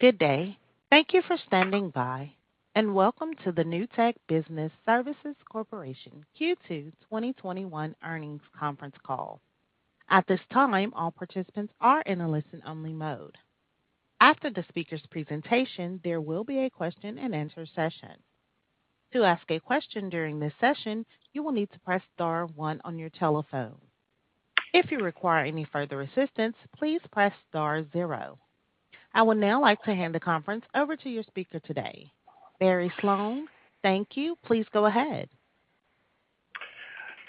Good day. Thank you for standing by. Welcome to the Newtek Business Services Corporation Q2 2021 earnings conference call. At this time, all participant are in a listen-only mode. After the speaker's presentation, there will a question-and-answer session. To ask a question during this session, you will need to press star one on your telephone. If you require any further assistance, please press star zero. I would now like to hand the conference over to your speaker today. Barry Sloane, thank you. Please go ahead.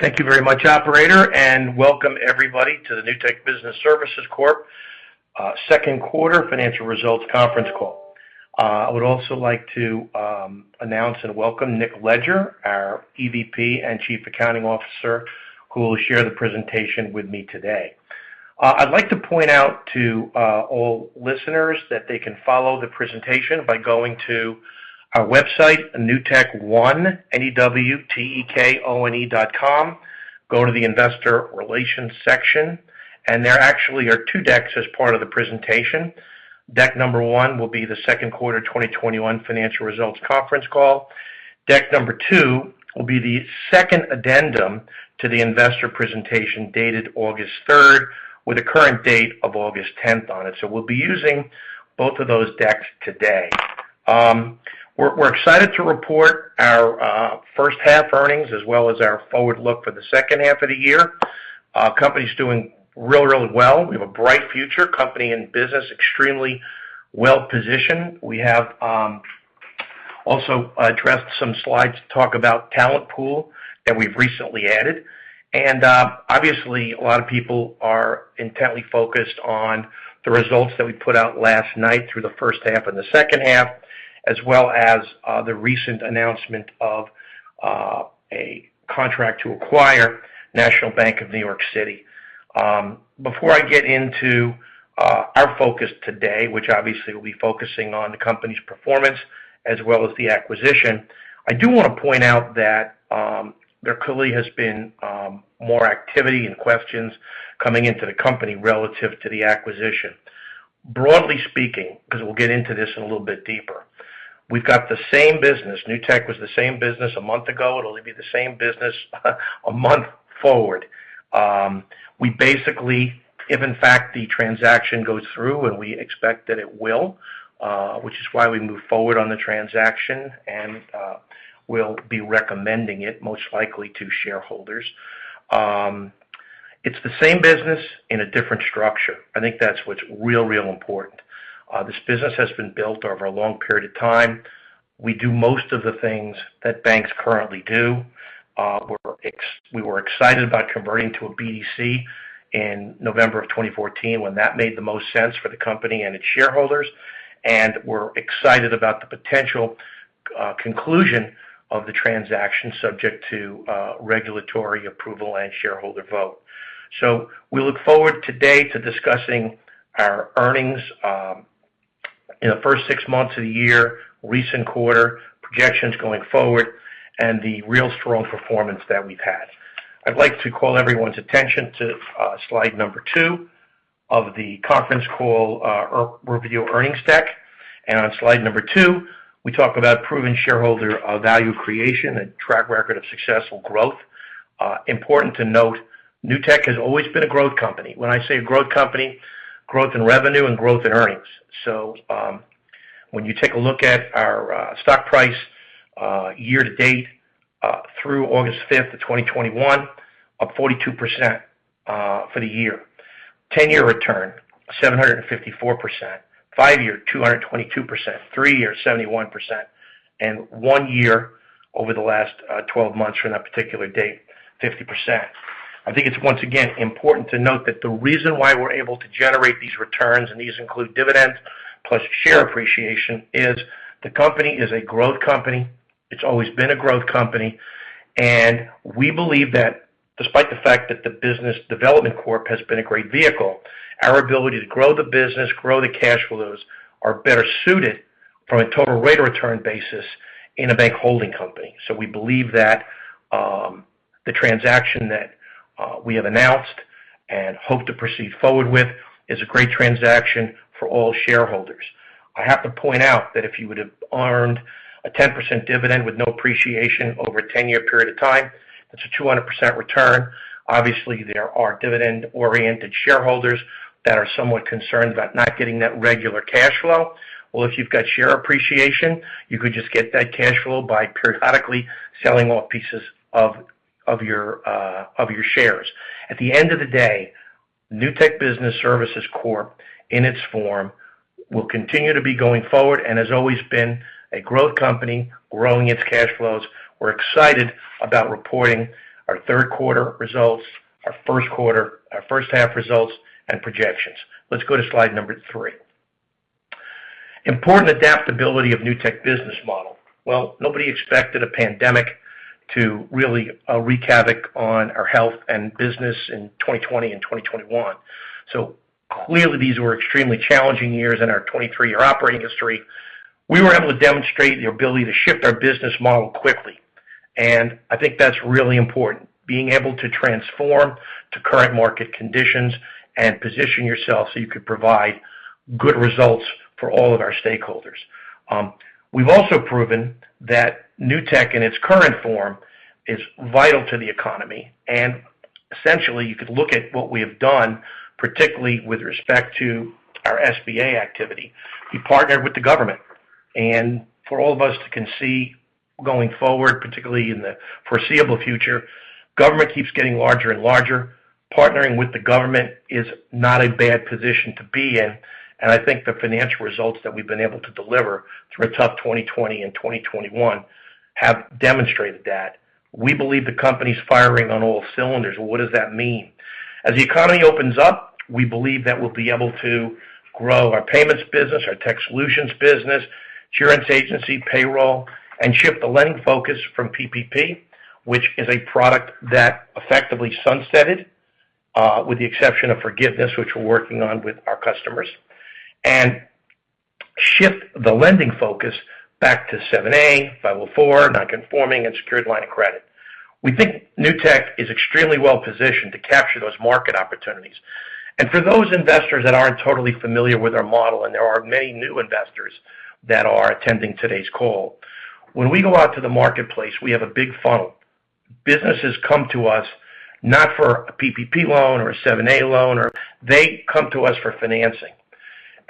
Thank you very much, operator. Welcome everybody to the Newtek Business Services Corp. Second quarter financial results conference call. I would also like to announce and welcome Nick Leger, our EVP and Chief Accounting Officer, who will share the presentation with me today. I'd like to point out to all listeners that they can follow the presentation by going to our website, NewtekOne, newtekone.com. Go to the investor relations section. There actually are two decks as part of the presentation. Deck number one will be the second quarter 2021 financial results conference call. Deck number two will be the second addendum to the investor presentation dated August 3rd, with a current date of August 10th on it. We'll be using both of those decks today. We're excited to report our first half earnings as well as our forward look for the second half of the year. Company's doing really well. We have a bright future. Company and business extremely well positioned. We have also addressed some slides to talk about talent pool that we've recently added. Obviously, a lot of people are intently focused on the results that we put out last night through the first half and the second half, as well as the recent announcement of a contract to acquire National Bank of New York City. Before I get into our focus today, which obviously will be focusing on the company's performance as well as the acquisition. I do want to point out that there clearly has been more activity and questions coming into the company relative to the acquisition. Broadly speaking, because we'll get into this in a little bit deeper, we've got the same business. Newtek was the same business a month ago. It'll be the same business a month forward. We basically, if in fact the transaction goes through, and we expect that it will, which is why we moved forward on the transaction, and we'll be recommending it most likely to shareholders. It's the same business in a different structure. I think that's what's real important. This business has been built over a long period of time. We do most of the things that banks currently do. We were excited about converting to a BDC in November of 2014 when that made the most sense for the company and its shareholders. We're excited about the potential conclusion of the transaction subject to regulatory approval and shareholder vote. We look forward today to discussing our earnings in the first six months of the year, recent quarter, projections going forward, and the real strong performance that we've had. I'd like to call everyone's attention to slide two of the conference call review earnings deck. On slide number two, we talk about proven shareholder value creation and track record of successful growth. Important to note, Newtek has always been a growth company. When I say growth company, growth in revenue and growth in earnings. When you take a look at our stock price year to date through August 5th of 2021, up 42% for the year. 10-year return, 754%. five-year, 222%. three-year, 71%. One year over the last 12 months from that particular date, 50%. I think it's once again important to note that the reason why we're able to generate these returns, and these include dividends plus share appreciation, is the company is a growth company. It's always been a growth company. We believe that despite the fact that the Business Development Corp. has been a great vehicle, our ability to grow the business, grow the cash flows are better suited from a total rate of return basis in a bank holding company. We believe that the transaction that we have announced and hope to proceed forward with is a great transaction for all shareholders. I have to point out that if you would have earned a 10% dividend with no appreciation over a 10-year period of time, that's a 200% return. Obviously, there are dividend-oriented shareholders that are somewhat concerned about not getting that regular cash flow. If you've got share appreciation, you could just get that cash flow by periodically selling off pieces of your shares. At the end of the day, Newtek Business Services Corp., in its form, will continue to be going forward and has always been a growth company growing its cash flows. We're excited about reporting our third quarter results, our first half results, and projections. Let's go to slide number three. Important adaptability of Newtek business model. Well, nobody expected a pandemic to really wreak havoc on our health and business in 2020 and 2021. Clearly, these were extremely challenging years in our 23-year operating history. We were able to demonstrate the ability to shift our business model quickly. I think that's really important. Being able to transform to current market conditions and position yourself so you could provide good results for all of our stakeholders. We've also proven that Newtek, in its current form, is vital to the economy. Essentially, you could look at what we have done, particularly with respect to our SBA activity. We partnered with the government and for all of us who can see going forward, particularly in the foreseeable future, government keeps getting larger and larger. Partnering with the government is not a bad position to be in. I think the financial results that we've been able to deliver through a tough 2020 and 2021 have demonstrated that. We believe the company's firing on all cylinders. What does that mean? As the economy opens up, we believe that we'll be able to grow our payments business, our tech solutions business, insurance agency, payroll, and shift the lending focus from PPP, which is a product that effectively sunsetted, with the exception of forgiveness, which we're working on with our customers. Shift the lending focus back to 7(a), 504, non-conforming, and secured line of credit. We think Newtek is extremely well-positioned to capture those market opportunities. For those investors that aren't totally familiar with our model, and there are many new investors that are attending today's call. When we go out to the marketplace, we have a big funnel. Businesses come to us not for a PPP loan or a 7(a) loan. They come to us for financing.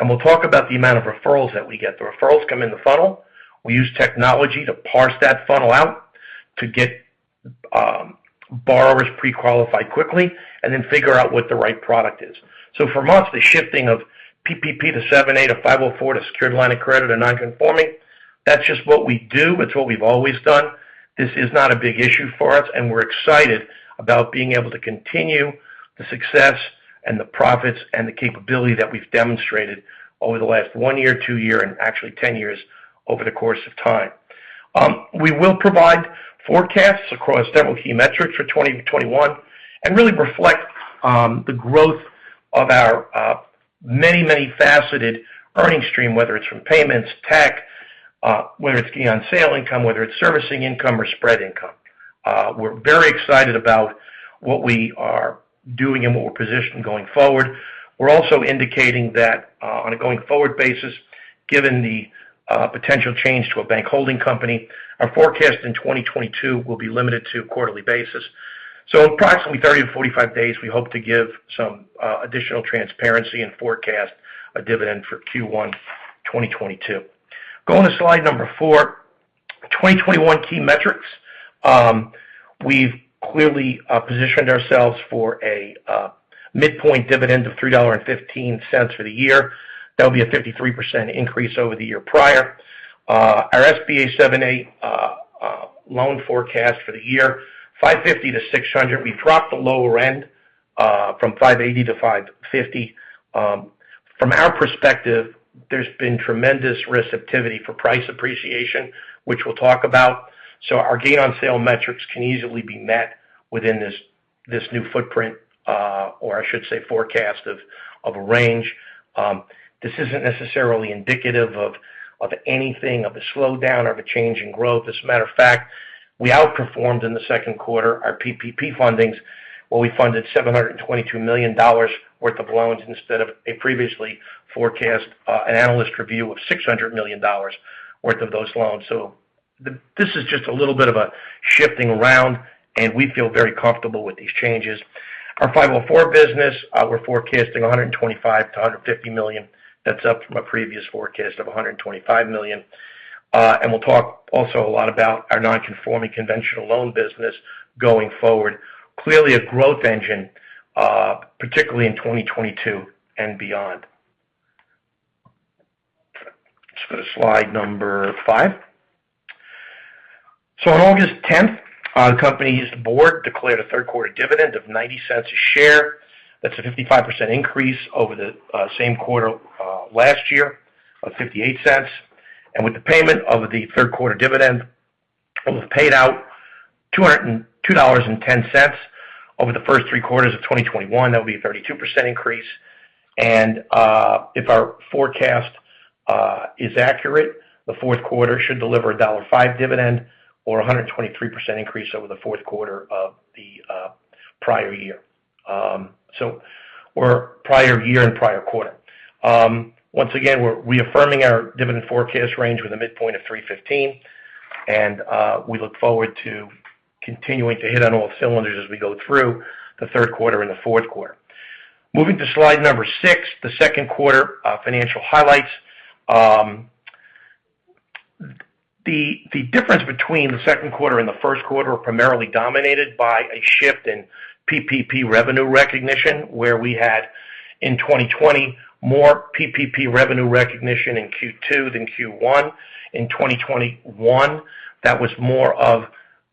We'll talk about the amount of referrals that we get. The referrals come in the funnel. We use technology to parse that funnel out to get borrowers pre-qualified quickly and then figure out what the right product is. For months, the shifting of PPP to 7(a) to 504 to secured line of credit or non-conforming, that's just what we do. It's what we've always done. This is not a big issue for us. We're excited about being able to continue the success and the profits and the capability that we've demonstrated over the last one year, two year, and actually 10 years over the course of time. We will provide forecasts across several key metrics for 2021. Really reflect the growth of our many, many faceted earning stream, whether it's from payments, tech, whether it's gain on sale income, whether it's servicing income or spread income. We're very excited about what we are doing and what we're positioned going forward. We're also indicating that on a going-forward basis, given the potential change to a bank holding company, our forecast in 2022 will be limited to a quarterly basis. Approximately 30-45 days, we hope to give some additional transparency and forecast a dividend for Q1 2022. Going to slide number four. 2021 key metrics. We've clearly positioned ourselves for a midpoint dividend of $3.15 for the year. That'll be a 53% increase over the year prior. Our SBA 7(a) loan forecast for the year, $550-$600. We dropped the lower end from $580-$550. From our perspective, there's been tremendous receptivity for price appreciation, which we'll talk about. Our gain on sale metrics can easily be met within this new footprint, or I should say forecast of a range. This isn't necessarily indicative of anything, of a slowdown, of a change in growth. As a matter of fact, we outperformed in the second quarter our PPP fundings where we funded $722 million worth of loans instead of a previously forecast an analyst review of $600 million worth of those loans. This is just a little bit of a shifting around, and we feel very comfortable with these changes. Our 504 business, we're forecasting $125 million-$150 million. That's up from a previous forecast of $125 million. We'll talk also a lot about our non-conforming conventional loan business going forward. Clearly a growth engine, particularly in 2022 and beyond. Let's go to slide number five. On August 10th, our company's board declared a third quarter dividend of $0.90 a share. That's a 55% increase over the same quarter last year of $0.58. With the payment of the third quarter dividend, it was paid out $202.10 over the first three quarters of 2021. That will be a 32% increase. If our forecast is accurate, the fourth quarter should deliver $1.05 dividend or 123% increase over the fourth quarter of the prior year. Our prior year and prior quarter. Once again, we're reaffirming our dividend forecast range with a midpoint of $3.15. We look forward to continuing to hit on all cylinders as we go through the third quarter and the fourth quarter. Moving to slide number six, the second quarter financial highlights. The difference between the second quarter and the first quarter were primarily dominated by a shift in PPP revenue recognition, where we had in 2020 more PPP revenue recognition in Q2 than Q1. In 2021, that was more of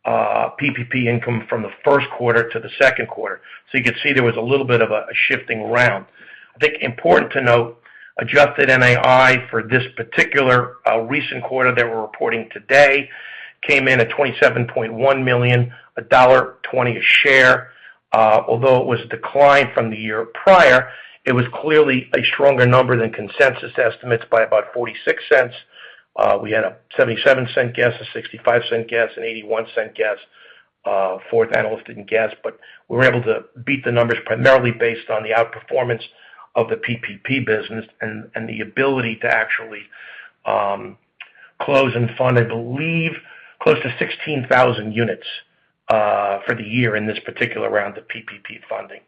PPP income from the first quarter to the second quarter. You could see there was a little bit of a shifting around. I think important to note, adjusted ANII for this particular recent quarter that we're reporting today came in at $27.1 million, $1.20 a share. It was a decline from the year prior, it was clearly a stronger number than consensus estimates by about $0.46. We had a $0.77 guess, a $0.65 guess, an $0.81 guess. Fourth analyst didn't guess, we were able to beat the numbers primarily based on the outperformance of the PPP business and the ability to actually close and fund, I believe, close to 16,000 units for the year in this particular round of PPP funding.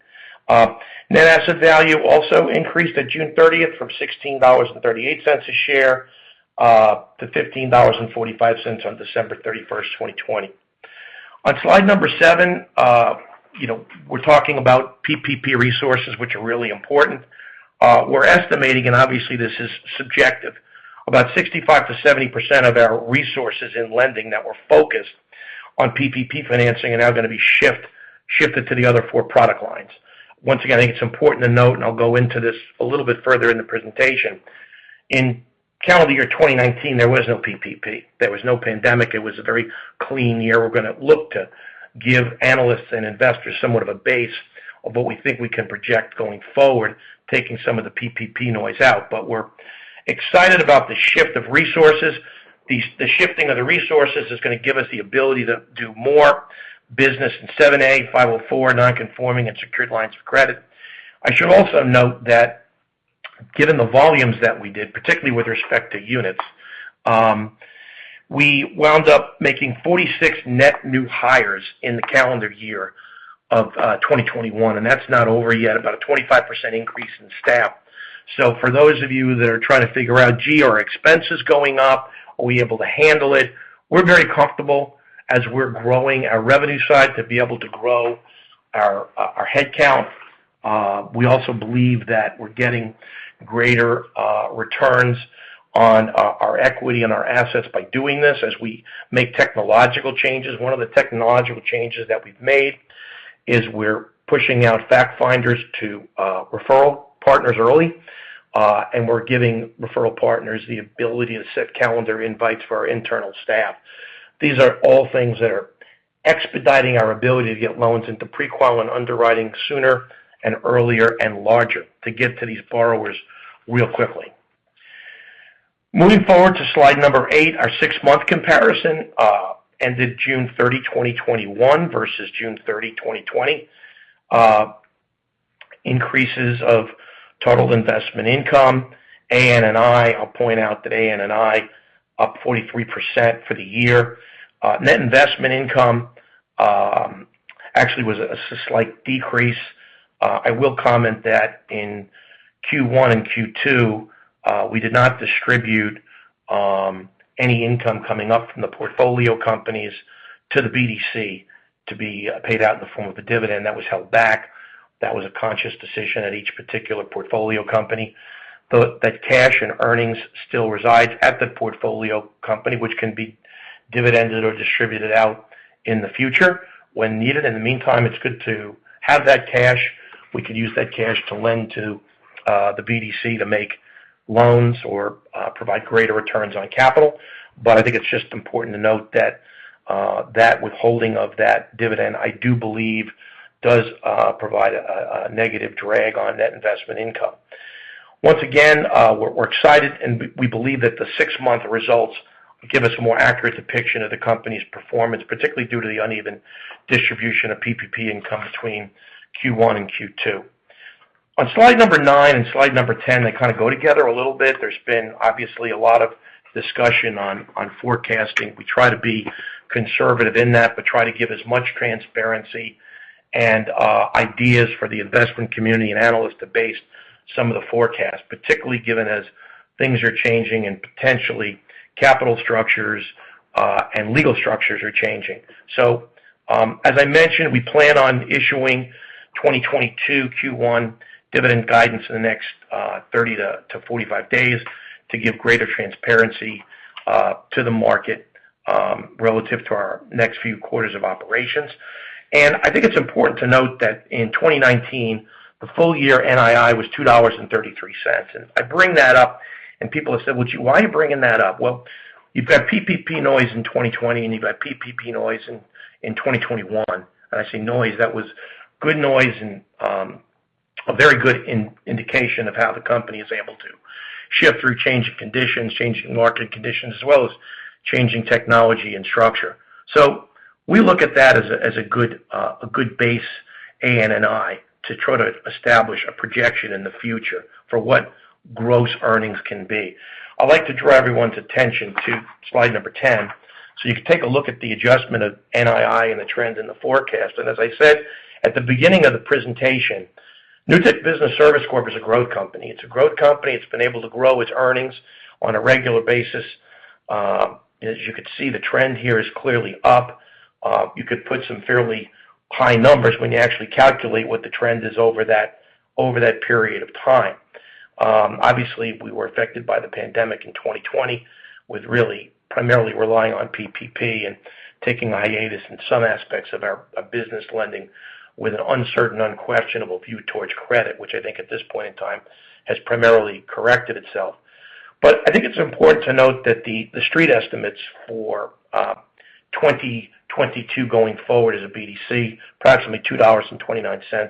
Net asset value also increased at June 30th from $16.38 a share to $15.45 on December 31st, 2020. On slide number seven, we're talking about PPP resources, which are really important. We're estimating, and obviously this is subjective, about 65%-70% of our resources in lending that were focused on PPP financing are now going to be shifted to the other four product lines. Once again, I think it's important to note, and I'll go into this a little bit further in the presentation. In calendar year 2019, there was no PPP. There was no pandemic. It was a very clean year. We're going to look to give analysts and investors somewhat of a base of what we think we can project going forward, taking some of the PPP noise out. We're excited about the shift of resources. The shifting of the resources is going to give us the ability to do more business in 7(a), 504, non-conforming, and secured lines of credit. I should also note that given the volumes that we did, particularly with respect to units, we wound up making 46 net new hires in the calendar year of 2021, and that's not over yet. About a 25% increase in staff. For those of you that are trying to figure out, gee, are expenses going up? Are we able to handle it? We're very comfortable, as we're growing our revenue side, to be able to grow our headcount. We also believe that we're getting greater returns on our equity and our assets by doing this as we make technological changes. One of the technological changes that we've made is we're pushing out fact-finders to referral partners early, and we're giving referral partners the ability to set calendar invites for our internal staff. These are all things that are expediting our ability to get loans into pre-qual and underwriting sooner and earlier and larger to get to these borrowers real quickly. Moving forward to slide number eight, our six-month comparison ended June 30, 2021 versus June 30, 2020. Increases of total investment income, ANII. I'll point out that ANII up 43% for the year. Net investment income actually was a slight decrease. I will comment that in Q1 and Q2, we did not distribute any income coming up from the portfolio companies to the BDC to be paid out in the form of a dividend. That was held back. That was a conscious decision at each particular portfolio company. That cash and earnings still resides at the portfolio company, which can be dividended or distributed out in the future when needed. In the meantime, it's good to have that cash. We could use that cash to lend to the BDC to make loans or provide greater returns on capital. I think it's just important to note that that withholding of that dividend, I do believe, does provide a negative drag on net investment income. Once again, we're excited, and we believe that the six-month results give us a more accurate depiction of the company's performance, particularly due to the uneven distribution of PPP income between Q1 and Q2. On slide number nine and slide number 10, they kind of go together a little bit. There's been, obviously, a lot of discussion on forecasting. We try to be conservative in that, but try to give as much transparency and ideas for the investment community and analysts to base some of the forecasts, particularly given as things are changing and potentially capital structures and legal structures are changing. As I mentioned, we plan on issuing 2022 Q1 dividend guidance in the next 30-45 days to give greater transparency to the market relative to our next few quarters of operations. I think it's important to note that in 2019, the full year NII was $2.33. I bring that up and people have said, "Why are you bringing that up?" Well, you've got PPP noise in 2020, and you've got PPP noise in 2021. I say noise, that was good noise and a very good indication of how the company is able to shift through change in conditions, change in market conditions, as well as changing technology and structure. We look at that as a good base ANII to try to establish a projection in the future for what gross earnings can be. I'd like to draw everyone's attention to slide number 10, so you can take a look at the adjustment of NII and the trend in the forecast. As I said at the beginning of the presentation, Newtek Business Services Corp. is a growth company. It's been able to grow its earnings on a regular basis. As you can see, the trend here is clearly up. You could put some fairly high numbers when you actually calculate what the trend is over that period of time. We were affected by the pandemic in 2020 with really primarily relying on PPP and taking a hiatus in some aspects of our business lending with an uncertain, unquestionable view towards credit, which I think at this point in time has primarily corrected itself. I think it's important to note that the street estimates for 2022 going forward as a BDC, approximately $2.29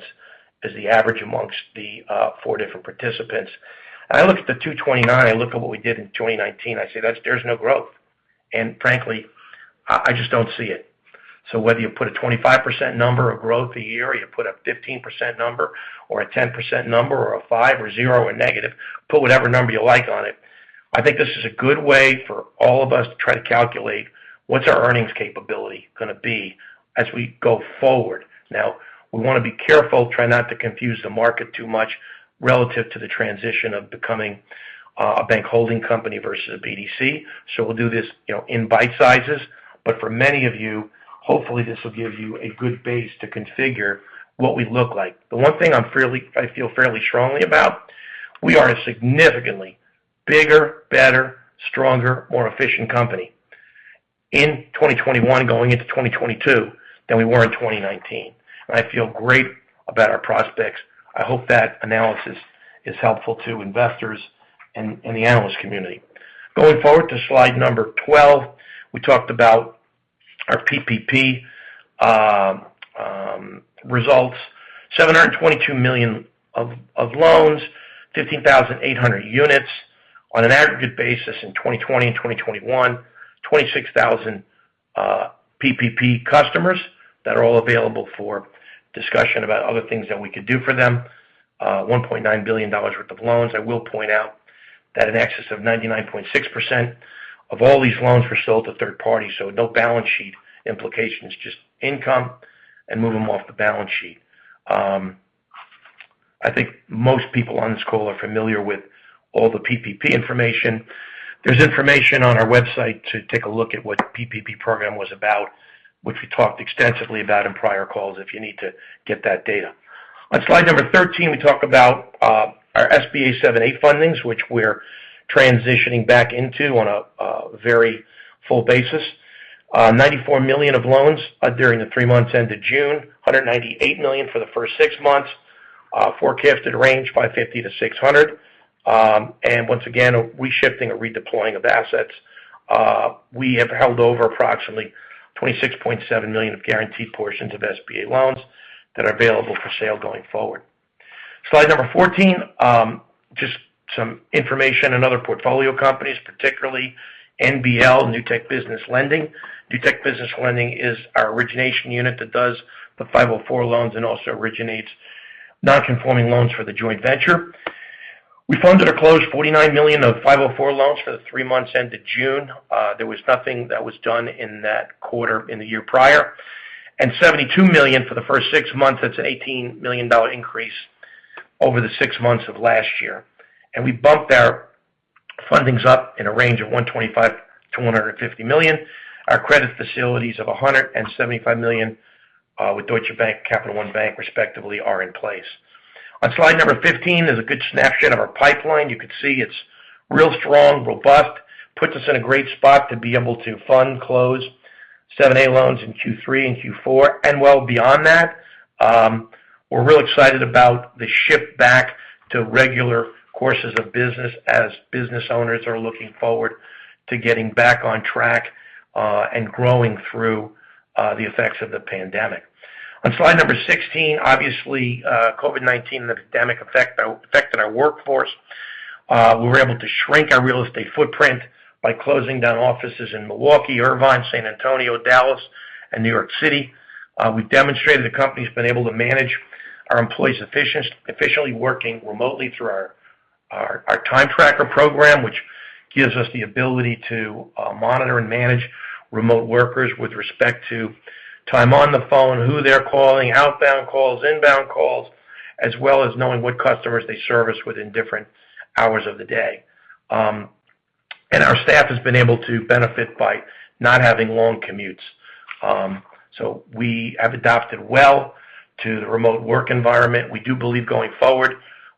is the average amongst the four different participants. I look at the $2.29, I look at what we did in 2019, I say, "There's no growth." Frankly, I just don't see it. Whether you put a 25% number of growth a year, you put a 15% number or a 10% number or a five or zero or negative, put whatever number you like on it. I think this is a good way for all of us to try to calculate what's our earnings capability going to be as we go forward. We want to be careful, try not to confuse the market too much relative to the transition of becoming a Bank Holding Company versus a BDC. We'll do this in bite sizes. For many of you, hopefully, this will give you a good base to configure what we look like. The one thing I feel fairly strongly about, we are a significantly bigger, better, stronger, more efficient company in 2021, going into 2022, than we were in 2019. I feel great about our prospects. I hope that analysis is helpful to investors and the analyst community. Going forward to slide number 12, we talked about our PPP results. $722 million of loans, 15,800 units. On an aggregate basis in 2020 and 2021, 26,000 PPP customers that are all available for discussion about other things that we could do for them. $1.9 billion worth of loans. I will point out that in excess of 99.6% of all these loans were sold to third party. No balance sheet implications, just income, and move them off the balance sheet. I think most people on this call are familiar with all the PPP information. There is information on our website to take a look at what the PPP program was about, which we talked extensively about in prior calls if you need to get that data. On slide number 13, we talk about our SBA 7(a) fundings, which we are transitioning back into on a very full basis. $94 million of loans during the three months ended June. $198 million for the first six months. Forecasted range $550 million-$600 million. Once again, a reshifting or redeploying of assets. We have held over approximately $26.7 million of guaranteed portions of SBA loans that are available for sale going forward. Slide number 14, just some information on other portfolio companies, particularly NBL, Newtek Business Lending. Newtek Business Lending is our origination unit that does the 504 loans and also originates non-conforming loans for the joint venture. We funded or closed $49 million of 504 loans for the three months ended June. There was nothing that was done in that quarter in the year prior. $72 million for the first six months. That's an $18 million increase over the six months of last year. We bumped our fundings up in a range of $125 million-$150 million. Our credit facilities of $175 million with Deutsche Bank, Capital One Bank, respectively are in place. On slide number 15 is a good snapshot of our pipeline. You could see it's real strong, robust, puts us in a great spot to be able to fund, close 7(a) loans in Q3 and Q4, and well beyond that. We're real excited about the shift back to regular courses of business as business owners are looking forward to getting back on track, and growing through the effects of the pandemic. On slide number 16, obviously, COVID-19 and the pandemic affected our workforce. We were able to shrink our real estate footprint by closing down offices in Milwaukee, Irvine, San Antonio, Dallas, and New York City. We've demonstrated the company's been able to manage our employees efficiently working remotely through our Time Tracker program, which gives us the ability to monitor and manage remote workers with respect to time on the phone, who they're calling, outbound calls, inbound calls, as well as knowing what customers they service within different hours of the day. Our staff has been able to benefit by not having long commutes. We have adapted well to the remote work environment. We do believe going forward,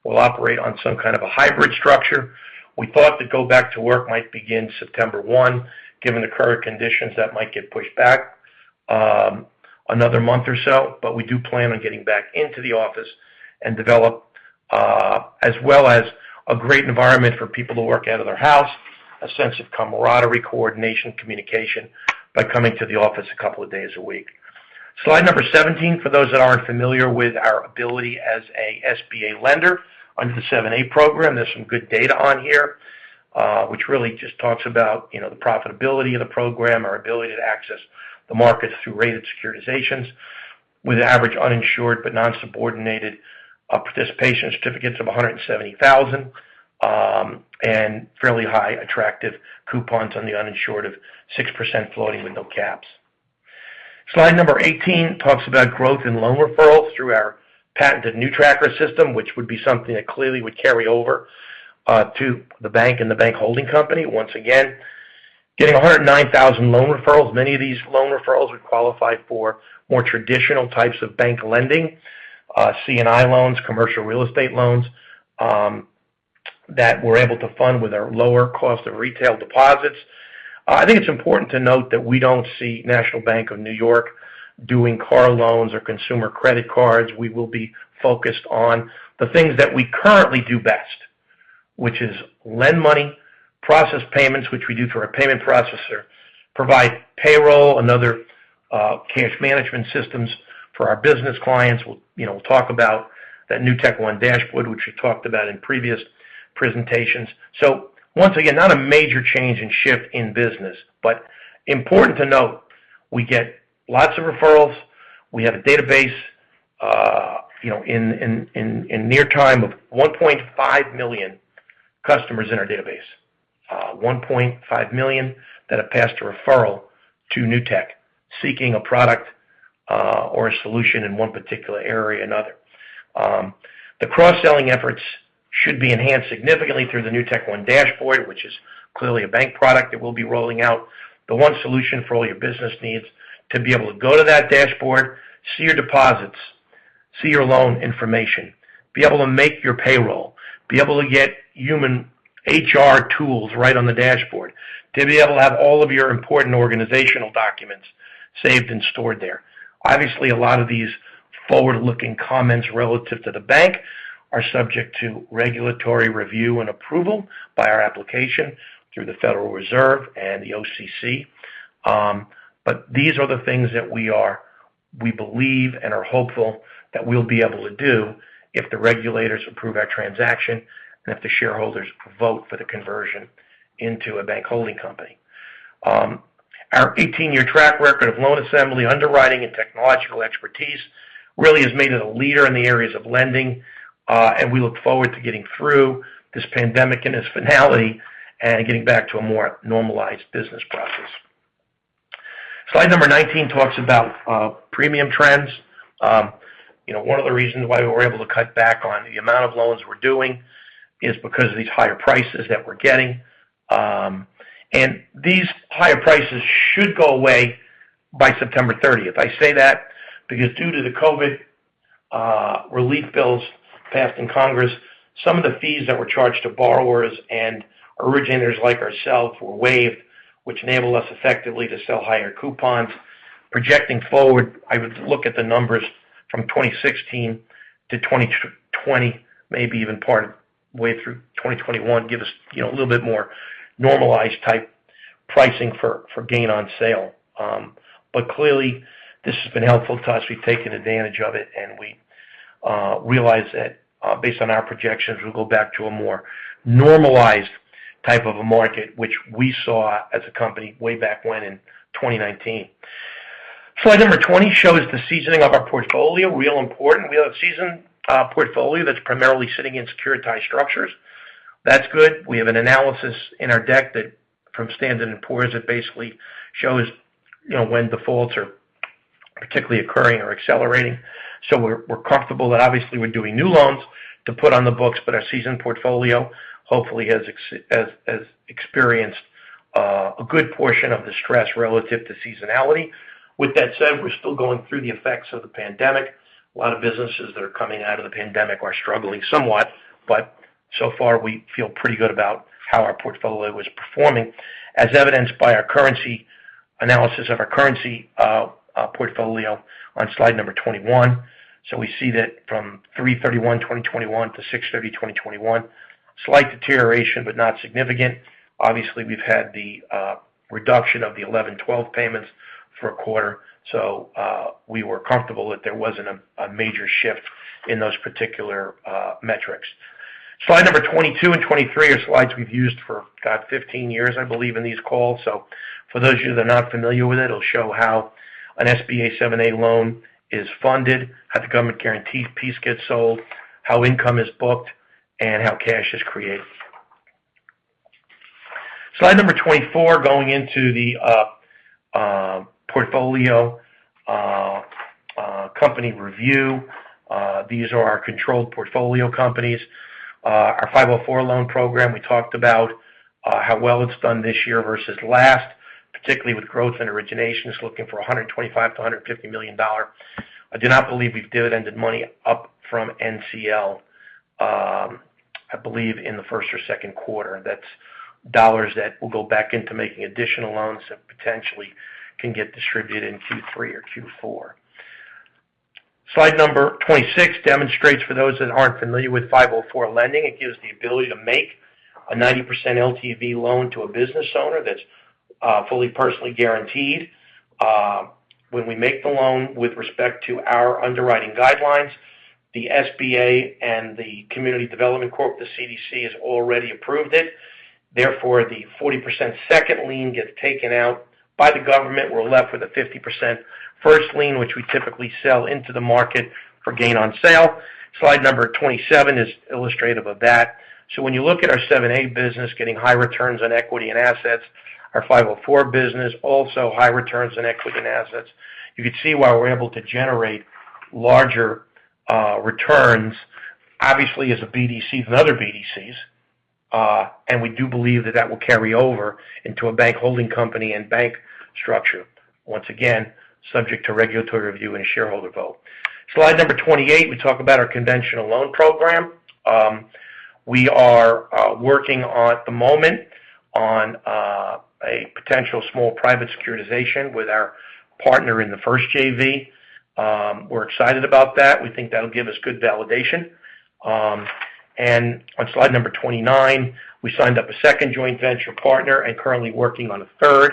we'll operate on some kind of a hybrid structure. We thought the go back to work might begin September 1. Given the current conditions, that might get pushed back another month or so. We do plan on getting back into the office and develop as well as a great environment for people to work out of their house, a sense of camaraderie, coordination, communication by coming to the office a couple of days a week. Slide number 17. For those that aren't familiar with our ability as an SBA lender under the 7(a) program, there's some good data on here, which really just talks about the profitability of the program, our ability to access the markets through rated securitizations with average uninsured but non-subordinated participation certificates of $170,000, and fairly high attractive coupons on the uninsured of 6% floating with no caps. Slide number 18 talks about growth in loan referrals through our patented NewTracker system, which would be something that clearly would carry over to the bank and the bank holding company. Once again, getting 109,000 loan referrals. Many of these loan referrals would qualify for more traditional types of bank lending, C&I loans, commercial real estate loans, that we're able to fund with our lower cost of retail deposits. I think it's important to note that we don't see National Bank of New York doing car loans or consumer credit cards. We will be focused on the things that we currently do best, which is lend money, process payments, which we do through our payment processor, provide payroll and other cash management systems for our business clients. We'll talk about that NewtekOne dashboard, which we talked about in previous presentations. Once again, not a major change in shift in business, but important to note, we get lots of referrals. We have a database in near time of 1.5 million customers in our database. 1.5 million that have passed a referral to Newtek seeking a product or a solution in one particular area or another. The cross-selling efforts should be enhanced significantly through the NewtekOne dashboard, which is clearly a bank product that we'll be rolling out. The one solution for all your business needs to be able to go to that dashboard, see your deposits, see your loan information, be able to make your payroll, be able to get human HR tools right on the dashboard, to be able to have all of your important organizational documents saved and stored there. Obviously, a lot of these forward-looking comments relative to the bank are subject to regulatory review and approval by our application through the Federal Reserve and the OCC. These are the things that we believe and are hopeful that we'll be able to do if the regulators approve our transaction, and if the shareholders vote for the conversion into a bank holding company. Our 18-year track record of loan assembly, underwriting, and technological expertise really has made it a leader in the areas of lending. We look forward to getting through this pandemic and its finality, and getting back to a more normalized business process. Slide number 19 talks about premium trends. One of the reasons why we were able to cut back on the amount of loans we're doing is because of these higher prices that we're getting. These higher prices should go away by September 30th. I say that because due to the COVID relief bills passed in Congress, some of the fees that were charged to borrowers and originators like ourselves were waived, which enabled us effectively to sell higher coupons. Projecting forward, I would look at the numbers from 2016 to 2020, maybe even part way through 2021, give us a little bit more normalized type pricing for gain on sale. Clearly, this has been helpful to us. We've taken advantage of it, and we realize that based on our projections, we'll go back to a more normalized type of a market, which we saw as a company way back when in 2019. Slide number 20 shows the seasoning of our portfolio. Real important. We have a seasoned portfolio that's primarily sitting in securitized structures. That's good. We have an analysis in our deck that from Standard and Poor's that basically shows when defaults are particularly occurring or accelerating. We're comfortable that obviously we're doing new loans to put on the books, but our seasoned portfolio hopefully has experienced a good portion of the stress relative to seasonality. With that said, we're still going through the effects of the pandemic. A lot of businesses that are coming out of the pandemic are struggling somewhat. So far, we feel pretty good about how our portfolio is performing, as evidenced by our currency analysis of our currency portfolio on slide number 21. We see that from 03/31/2021 to 06/30/2021, slight deterioration, but not significant. Obviously, we've had the reduction of the 1112 payments for a quarter, so we were comfortable that there wasn't a major shift in those particular metrics. Slide number 22 and 23 are slides we've used for, God, 15 years, I believe in these calls. For those of you that are not familiar with it'll show how an SBA 7(a) loan is funded, how the government guarantee piece gets sold, how income is booked, and how cash is created. Slide number 24, going into the portfolio company review. These are our controlled portfolio companies. Our 504 loan program, we talked about how well it's done this year versus last, particularly with growth and originations looking for $125 million-$150 million. I do not believe we've dividended money up from NCL. I believe in the first or second quarter. That's dollars that will go back into making additional loans that potentially can get distributed in Q3 or Q4. Slide number 26 demonstrates for those that aren't familiar with 504 lending. It gives the ability to make a 90% LTV loan to a business owner that's fully personally guaranteed. When we make the loan with respect to our underwriting guidelines, the SBA and the Community Development Corp., the CDC, has already approved it. The 40% second lien gets taken out by the government. We're left with a 50% first lien, which we typically sell into the market for gain on sale. Slide number 27 is illustrative of that. When you look at our 7(a) business getting high returns on equity and assets, our 504 business also high returns on equity and assets. You could see why we're able to generate larger returns, obviously as a BDC than other BDCs. We do believe that that will carry over into a bank holding company and bank structure. Once again, subject to regulatory review and shareholder vote. Slide number 28, we talk about our conventional loan program. We are working at the moment on a potential small private securitization with our partner in the first JV. We're excited about that. We think that'll give us good validation. On slide number 29, we signed up a second joint venture partner and currently working on a third.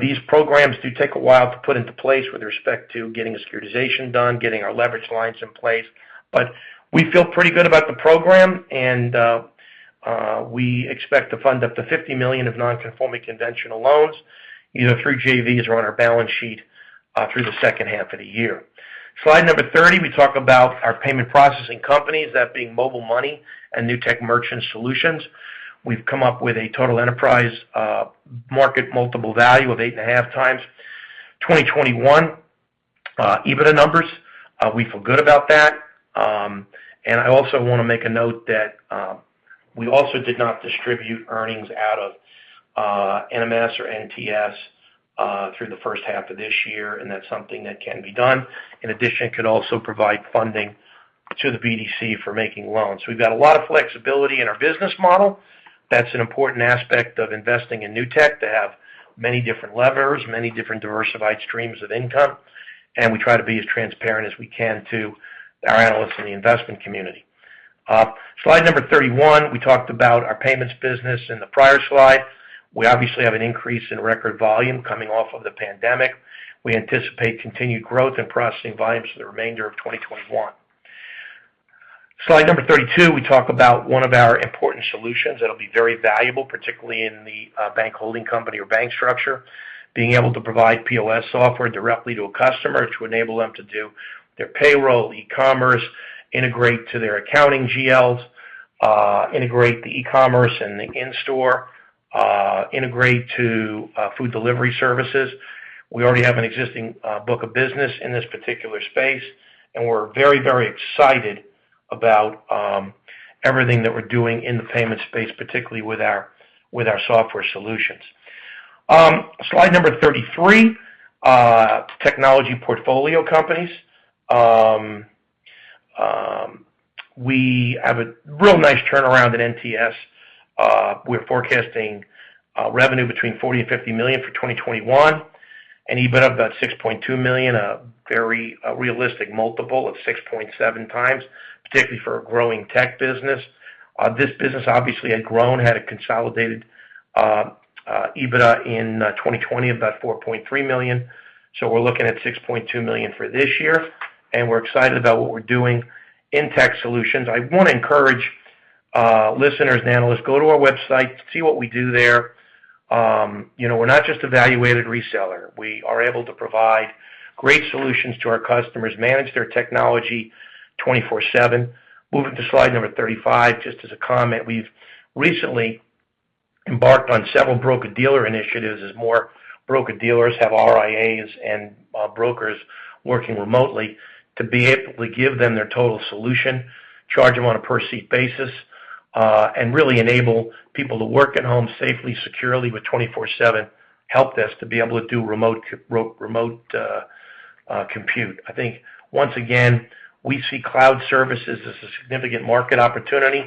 These programs do take a while to put into place with respect to getting a securitization done, getting our leverage lines in place. We feel pretty good about the program, and we expect to fund up to $50 million of non-conforming conventional loans either through JVs or on our balance sheet through the second half of the year. Slide number 30, we talk about our payment processing companies, that being Mobile Money and Newtek Merchant Solutions. We've come up with a total enterprise market multiple value of 8.5x 2021 EBITDA numbers. We feel good about that. I also want to make a note that we also did not distribute earnings out of NMS or NTS through the first half of this year, and that's something that can be done. In addition, it could also provide funding to the BDC for making loans. We've got a lot of flexibility in our business model. That's an important aspect of investing in Newtek, to have many different levers, many different diversified streams of income, and we try to be as transparent as we can to our analysts in the investment community. Slide number 31, we talked about our payments business in the prior slide. We obviously have an increase in record volume coming off of the pandemic. We anticipate continued growth in processing volumes for the remainder of 2021. Slide number 32, we talk about one of our important solutions that'll be very valuable, particularly in the bank holding company or bank structure. Being able to provide POS software directly to a customer to enable them to do their payroll, e-commerce, integrate to their accounting GLs, integrate the e-commerce and the in-store, integrate to food delivery services. We already have an existing book of business in this particular space, and we're very excited about everything that we're doing in the payment space, particularly with our software solutions. Slide number 33, technology portfolio companies. We have a real nice turnaround at NTS. We're forecasting revenue between $40 million-$50 million for 2021, an EBITDA of about $6.2 million, a very realistic multiple of 6.7x, particularly for a growing tech business. This business obviously had grown, had a consolidated EBITDA in 2020 of about $4.3 million. We're looking at $6.2 million for this year, and we're excited about what we're doing in Tech Solutions. I want to encourage listeners and analysts, go to our website, see what we do there. We're not just a value-added reseller. We are able to provide great solutions to our customers, manage their technology 24/7. Moving to slide number 35, just as a comment. We've recently embarked on several broker-dealer initiatives as more broker-dealers have RIAs and brokers working remotely to be able to give them their total solution, charge them on a per-seat basis, and really enable people to work at home safely, securely with 24/7 helpdesk to be able to do remote compute. I think, once again, we see cloud services as a significant market opportunity,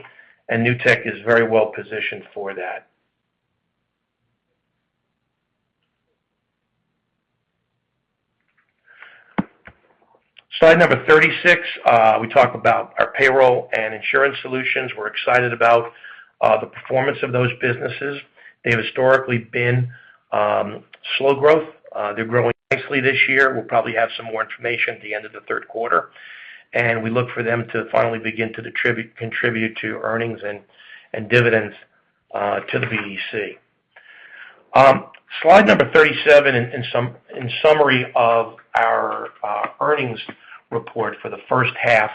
and Newtek is very well-positioned for that. Slide 36. We talk about our payroll and insurance solutions. We're excited about the performance of those businesses. They have historically been slow growth. They're growing nicely this year. We'll probably have some more information at the end of the third quarter. We look for them to finally begin to contribute to earnings and dividends to the BDC. Slide 37. In summary of our earnings report for the first half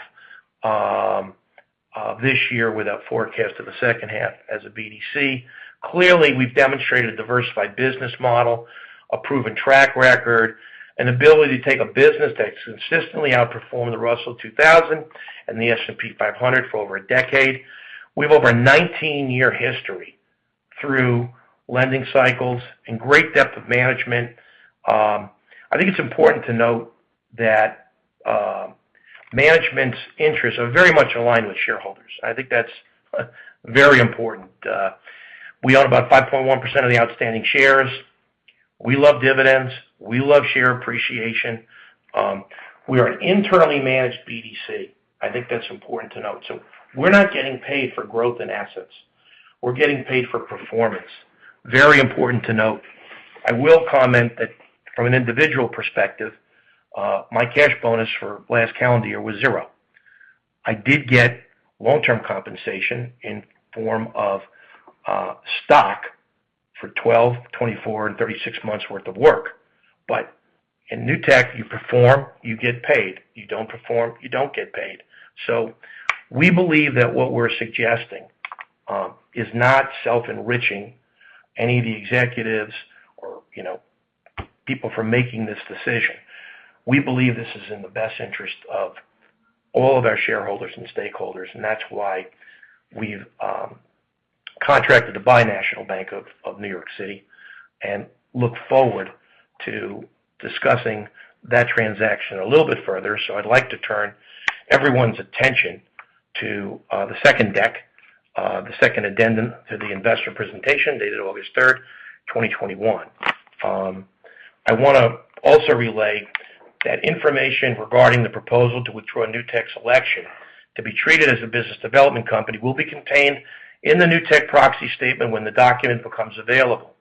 of this year with a forecast of the second half as a BDC. Clearly, we've demonstrated a diversified business model, a proven track record, an ability to take a business that's consistently outperformed the Russell 2000 and the S&P 500 for over a decade. We have over a 19-year history through lending cycles and great depth of management. I think it's important to note that management's interests are very much aligned with shareholders. I think that's very important. We own about 5.1% of the outstanding shares. We love dividends. We love share appreciation. We are an internally managed BDC. I think that's important to note. We're not getting paid for growth in assets. We're getting paid for performance. Very important to note. I will comment that from an individual perspective, my cash bonus for last calendar year was zero. I did get long-term compensation in form of stock for 12, 24, and 36 months worth of work. In Newtek, you perform, you get paid. You don't perform, you don't get paid. We believe that what we're suggesting is not self-enriching any of the executives or people from making this decision. We believe this is in the best interest of all of our shareholders and stakeholders, and that's why we've contracted to buy National Bank of New York City and look forward to discussing that transaction a little bit further. I'd like to turn everyone's attention to the second deck, the second addendum to the investor presentation, dated August 3rd, 2021. I want to also relay that information regarding the proposal to withdraw Newtek's election to be treated as a business development company will be contained in the Newtek proxy statement when the document becomes available.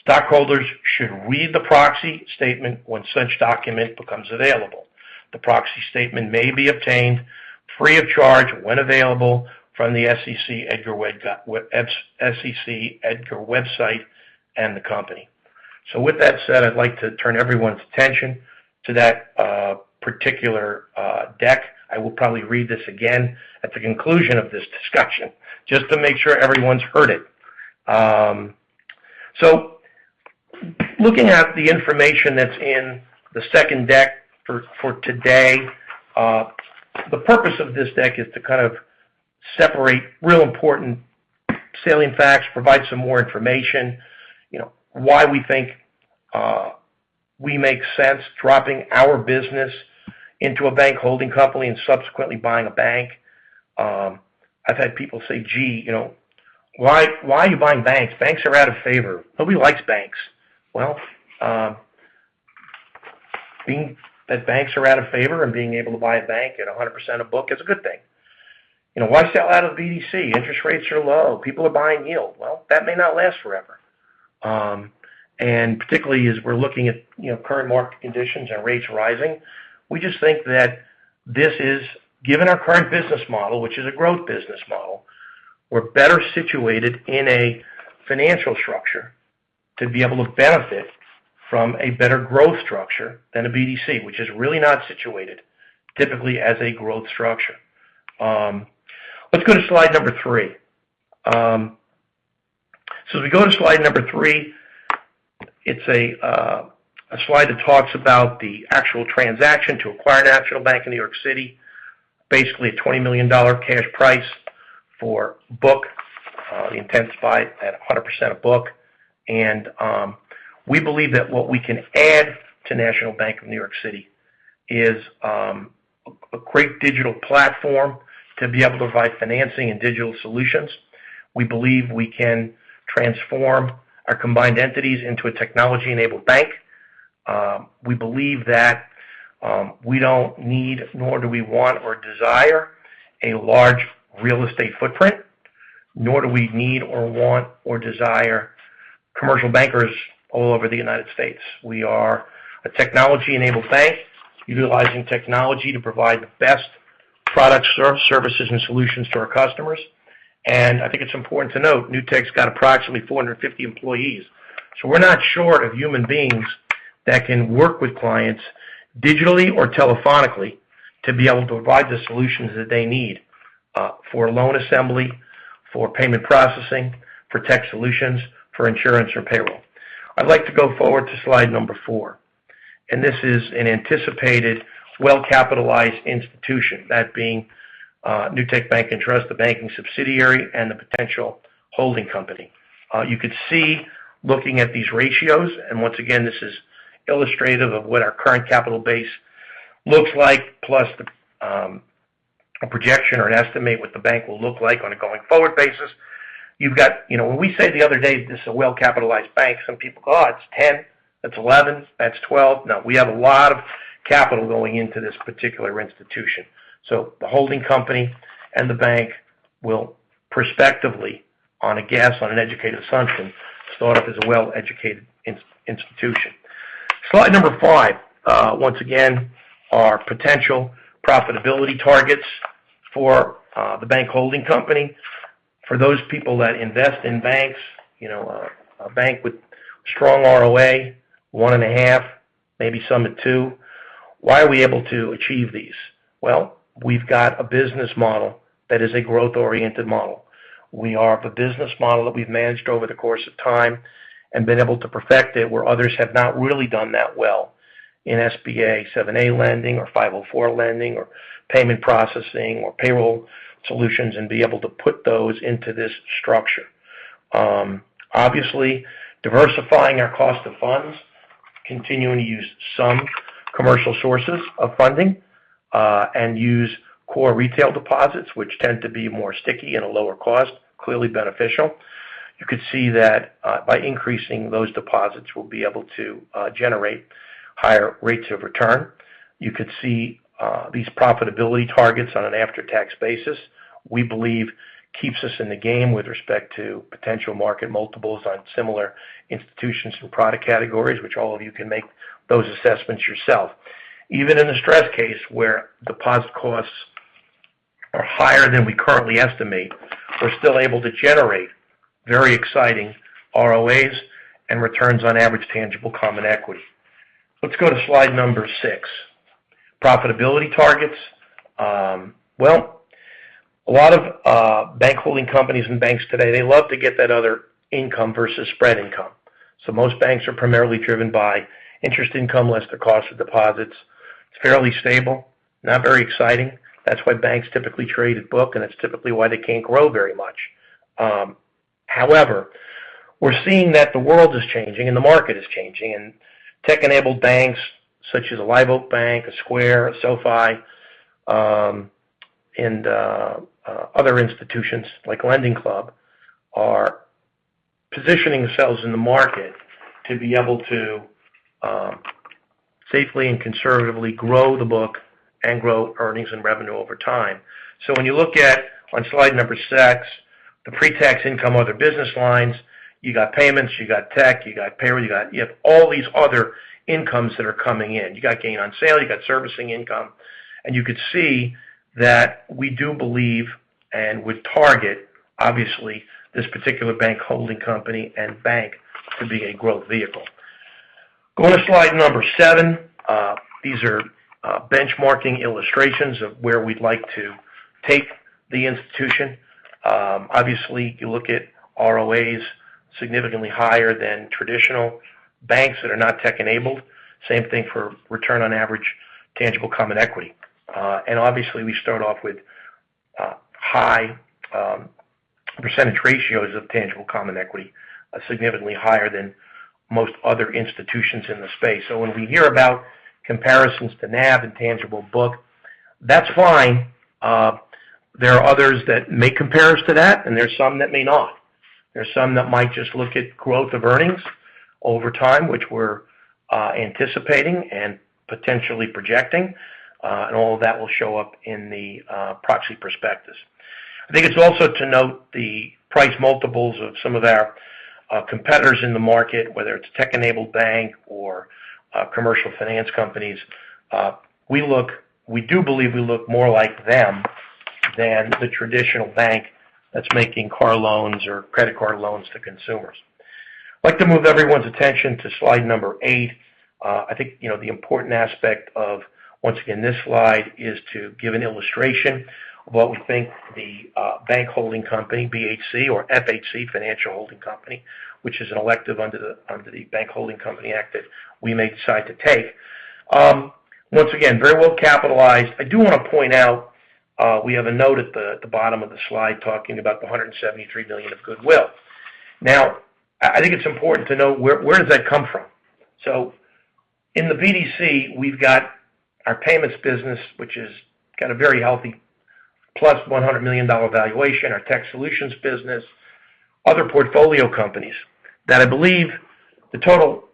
Stockholders should read the proxy statement once such document becomes available. The proxy statement may be obtained free of charge, when available, from the SEC EDGAR website and the company. With that said, I'd like to turn everyone's attention to that particular deck. I will probably read this again at the conclusion of this discussion, just to make sure everyone's heard it. Looking at the information that's in the second deck for today. The purpose of this deck is to kind of separate real important salient facts, provide some more information, why we think we make sense dropping our business into a bank holding company and subsequently buying a bank. I've had people say, "Gee, why are you buying banks? Banks are out of favor. Nobody likes banks." Being that banks are out of favor and being able to buy a bank at 100% of book is a good thing. Why sell out of BDC? Interest rates are low. People are buying yield. That may not last forever. Particularly, as we're looking at current market conditions and rates rising, we just think that given our current business model, which is a growth business model, we're better situated in a financial structure to be able to benefit from a better growth structure than a BDC, which is really not situated typically as a growth structure. Let's go to slide number three. As we go to slide number three, it's a slide that talks about the actual transaction to acquire National Bank of New York City. Basically, a $20 million cash price for book, intensified at 100% of book. We believe that what we can add to National Bank of New York City is a great digital platform to be able to provide financing and digital solutions. We believe we can transform our combined entities into a technology-enabled bank. We believe that we don't need, nor do we want or desire, a large real estate footprint, nor do we need or want or desire commercial bankers all over the United States. We are a technology-enabled bank utilizing technology to provide the best products, services, and solutions to our customers. I think it's important to note, Newtek's got approximately 450 employees. We're not short of human beings that can work with clients digitally or telephonically to be able to provide the solutions that they need, for loan assembly, for payment processing, for tech solutions, for insurance or payroll. I'd like to go forward to slide number four. This is an anticipated well-capitalized institution, that being Newtek Bank and Trust the banking subsidiary, and the potential holding company. You could see, looking at these ratios, once again, this is illustrative of what our current capital base looks like, plus a projection or an estimate what the bank will look like on a going forward basis. When we said the other day, this is a well-capitalized bank, some people go, "Oh, that's 10, that's 11, that's 12." No, we have a lot of capital going into this particular institution. The holding company and the bank will prospectively, on a guess, on an educated assumption, start up as a well-capitalized institution. Slide number five. Once again, our potential profitability targets for the bank holding company. For those people that invest in banks, a bank with strong ROA, 1 1/2, maybe some at two. Why are we able to achieve these? Well, we've got a business model that is a growth-oriented model. We are the business model that we've managed over the course of time and been able to perfect it where others have not really done that well in SBA 7(a) lending or 504 lending or payment processing or payroll solutions, and be able to put those into this structure. Obviously, diversifying our cost of funds, continuing to use some commercial sources of funding, and use core retail deposits, which tend to be more sticky and a lower cost, clearly beneficial. You could see that by increasing those deposits, we'll be able to generate higher rates of return. You could see these profitability targets on an after-tax basis. We believe keeps us in the game with respect to potential market multiples on similar institutions and product categories, which all of you can make those assessments yourself. Even in a stress case where deposit costs are higher than we currently estimate, we're still able to generate very exciting ROAs and returns on average tangible common equity. Let's go to slide number six. Profitability targets. Well, a lot of bank holding companies and banks today, they love to get that other income versus spread income. Most banks are primarily driven by interest income less the cost of deposits. It's fairly stable, not very exciting. That's why banks typically trade at book, and that's typically why they can't grow very much. However, we're seeing that the world is changing and the market is changing, and tech-enabled banks such as a Live Oak Bank, a Square, a SoFi, and other institutions like LendingClub are positioning themselves in the market to be able to safely and conservatively grow the book and grow earnings and revenue over time. When you look at, on slide number six, the pre-tax income, other business lines, you got payments, you got tech, you got pay, you have all these other incomes that are coming in. You got gain on sale, you got servicing income. You could see that we do believe and would target, obviously, this particular bank holding company and bank to be a growth vehicle. Go to slide number seven. These are benchmarking illustrations of where we'd like to take the institution. Obviously, you look at ROAs significantly higher than traditional banks that are not tech-enabled. Same thing for return on average tangible common equity. Obviously, we start off with high percentage ratios of tangible common equity, significantly higher than most other institutions in the space. When we hear about comparisons to NAV and tangible book, that's fine. There are others that may compare us to that, and there are some that may not. There are some that might just look at growth of earnings over time, which we're anticipating and potentially projecting. All of that will show up in the proxy prospectus. I think it's also to note the price multiples of some of our competitors in the market, whether it's tech-enabled bank or commercial finance companies. We do believe we look more like them than the traditional bank that's making car loans or credit card loans to consumers. I'd like to move everyone's attention to slide number eight. I think the important aspect of, once again, this slide is to give an illustration of what we think the bank holding company, BHC or FHC, financial holding company, which is an elective under the Bank Holding Company Act that we may decide to take. Once again, very well capitalized. I do want to point out, we have a note at the bottom of the slide talking about the $173 million of goodwill. I think it's important to know where does that come from. In the BDC, we've got our payments business, which has got a very healthy +$100 million valuation, our tech solutions business, other portfolio companies that I believe the total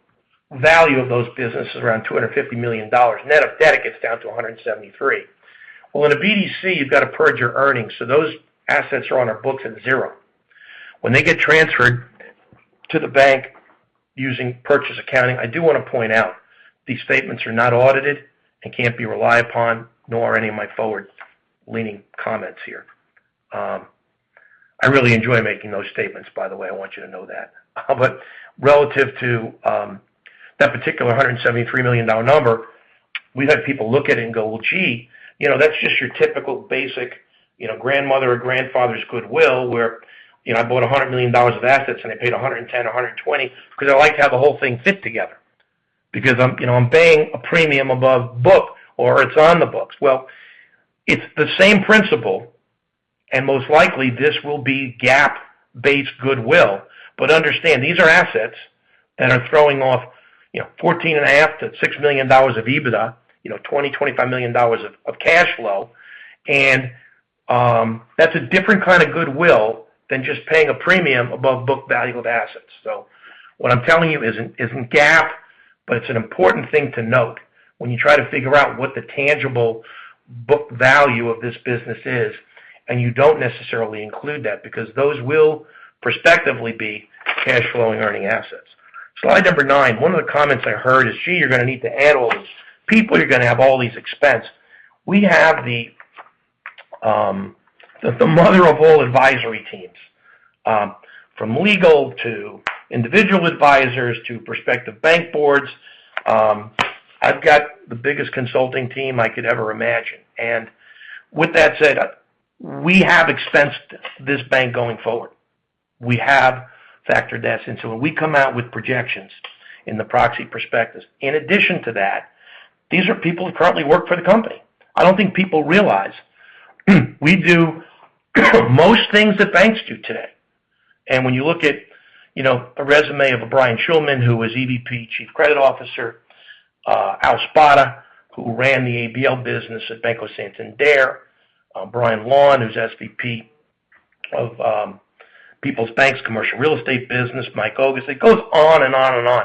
value of those businesses is around $250 million. Net of that, it gets down to $173 million. Well, in a BDC, you've got to purge your earnings. Those assets are on our books at zero. When they get transferred to the bank using purchase accounting, I do want to point out, these statements are not audited and can't be relied upon, nor any of my forward-leaning comments here. I really enjoy making those statements, by the way. I want you to know that. Relative to that particular $173 million number, we've had people look at it and go, "Well, gee, that's just your typical basic grandmother or grandfather's goodwill, where I bought $100 million of assets, and I paid $110, $120 because I like to have the whole thing fit together because I'm paying a premium above book or it's on the books." Well, it's the same principle, and most likely this will be GAAP-based goodwill. Understand, these are assets that are throwing off $14.5 million-$6 million of EBITDA, $20 million-$25 million of cash flow. That's a different kind of goodwill than just paying a premium above book value of assets. What I'm telling you isn't GAAP, but it's an important thing to note when you try to figure out what the tangible book value of this business is, and you don't necessarily include that because those will perspectively be cash flowing earning assets. Slide number nine. One of the comments I heard is, "Gee, you're going to need to add all these people. You're going to have all these expense." We have the mother of all advisory teams, from legal to individual advisors to prospective bank boards. I've got the biggest consulting team I could ever imagine. With that said, we have expensed this bank going forward. We have factored that since when we come out with projections in the proxy prospectus. In addition to that, these are people who currently work for the company. I don't think people realize we do most things that banks do today. When you look at a resume of a Brian Schulman, who was EVP, Chief Credit Officer, Al Spada, who ran the ABL business at Banco Santander, Brian Lawn, who's SVP of People's Bank's Commercial Real Estate Business, Mike Ogus, it goes on and on and on,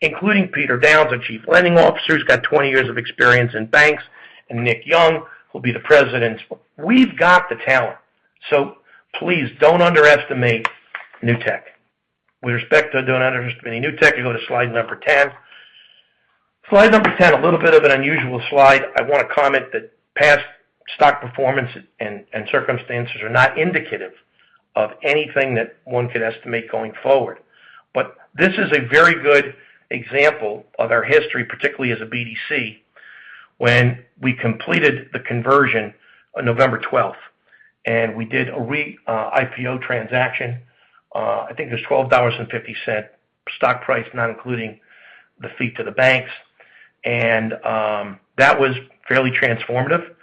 including Peter Downs, a Chief Lending Officer, he's got 20 years of experience in banks, and Nick Young, who'll be the President. We've got the talent. Please don't underestimate Newtek. With respect to don't underestimate Newtek, you go to slide number 10. Slide number 10, a little bit of an unusual slide. I want to comment that past stock performance and circumstances are not indicative of anything that one could estimate going forward. This is a very good example of our history, particularly as a BDC. When we completed the conversion on November 12th, and we did a REIT IPO transaction. I think it was $12.50 stock price, not including the fee to the banks. That was fairly transformative.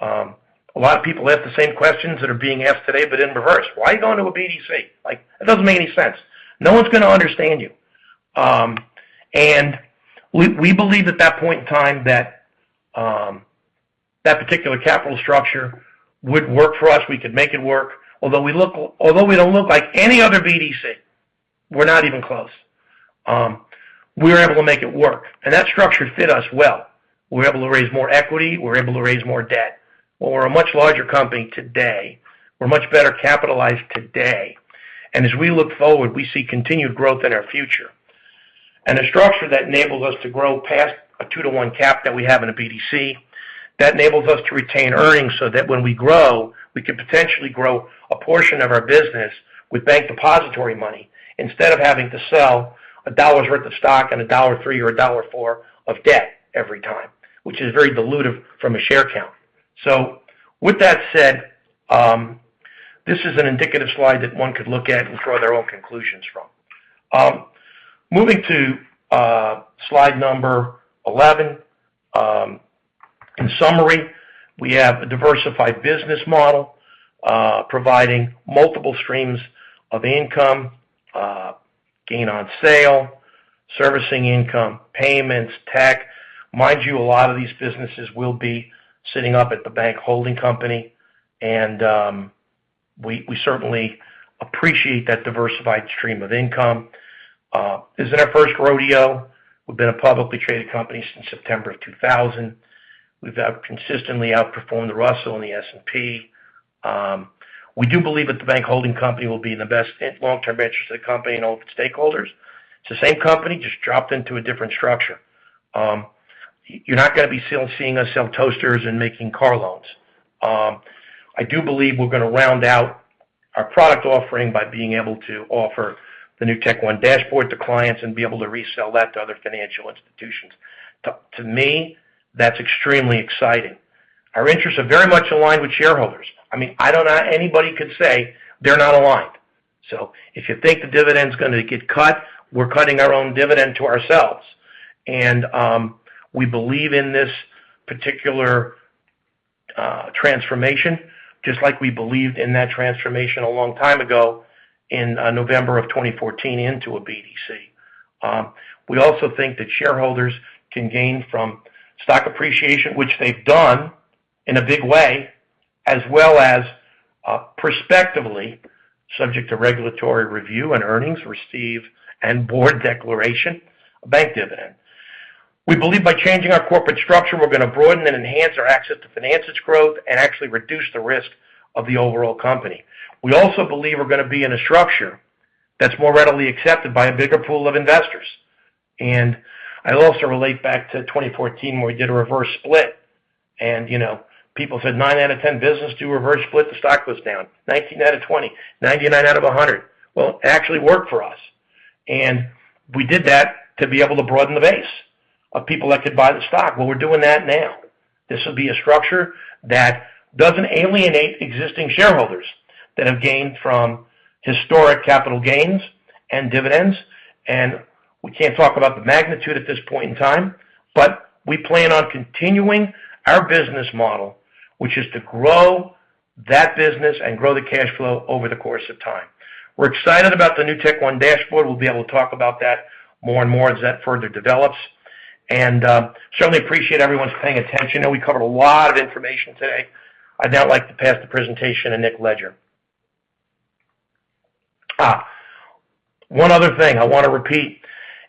A lot of people asked the same questions that are being asked today, but in reverse. Why are you going to a BDC? That doesn't make any sense. No one's going to understand you. We believed at that point in time that that particular capital structure would work for us. We could make it work. Although we don't look like any other BDC, we're not even close. We were able to make it work, and that structure fit us well. We were able to raise more equity. We were able to raise more debt. Well, we're a much larger company today. We're much better capitalized today. As we look forward, we see continued growth in our future. A structure that enables us to grow past a 2:1 cap that we have in a BDC, that enables us to retain earnings so that when we grow, we could potentially grow a portion of our business with bank depository money instead of having to sell $1 worth of stock and $1.03 or $1.04 of debt every time, which is very dilutive from a share count. With that said, this is an indicative slide that one could look at and draw their own conclusions from. Moving to slide number 11. In summary, we have a diversified business model providing multiple streams of income, gain on sale, servicing income, payments, tech. Mind you, a lot of these businesses will be sitting up at the bank holding company, and we certainly appreciate that diversified stream of income. This isn't our first rodeo. We've been a publicly traded company since September of 2000. We've consistently outperformed the Russell and the S&P. We do believe that the bank holding company will be in the best long-term interest of the company and all the stakeholders. It's the same company, just dropped into a different structure. You're not going to be seeing us sell toasters and making car loans. I do believe we're going to round out our product offering by being able to offer the NewtekOne dashboard to clients and be able to resell that to other financial institutions. To me, that's extremely exciting. Our interests are very much aligned with shareholders. I mean, I don't know how anybody could say they're not aligned. If you think the dividend's going to get cut, we're cutting our own dividend to ourselves. We believe in this particular transformation, just like we believed in that transformation a long time ago in November of 2014 into a BDC. We also think that shareholders can gain from stock appreciation, which they've done in a big way, as well as prospectively, subject to regulatory review and earnings received and board declaration, a bank dividend. We believe by changing our corporate structure, we're going to broaden and enhance our access to finance its growth and actually reduce the risk of the overall company. We also believe we're going to be in a structure that's more readily accepted by a bigger pool of investors. I also relate back to 2014 when we did a reverse split and people said nine out of 10 business do a reverse split, the stock was down 19 out of 20, 99 out of 100. Well, it actually worked for us, and we did that to be able to broaden the base of people that could buy the stock. Well, we're doing that now. This will be a structure that doesn't alienate existing shareholders that have gained from historic capital gains and dividends. We can't talk about the magnitude at this point in time, but we plan on continuing our business model, which is to grow that business and grow the cash flow over the course of time. We're excited about the NewtekOne Dashboard. We'll be able to talk about that more and more as that further develops, and certainly appreciate everyone for paying attention. I know we covered a lot of information today. I'd now like to pass the presentation to Nick Leger. One other thing I want to repeat.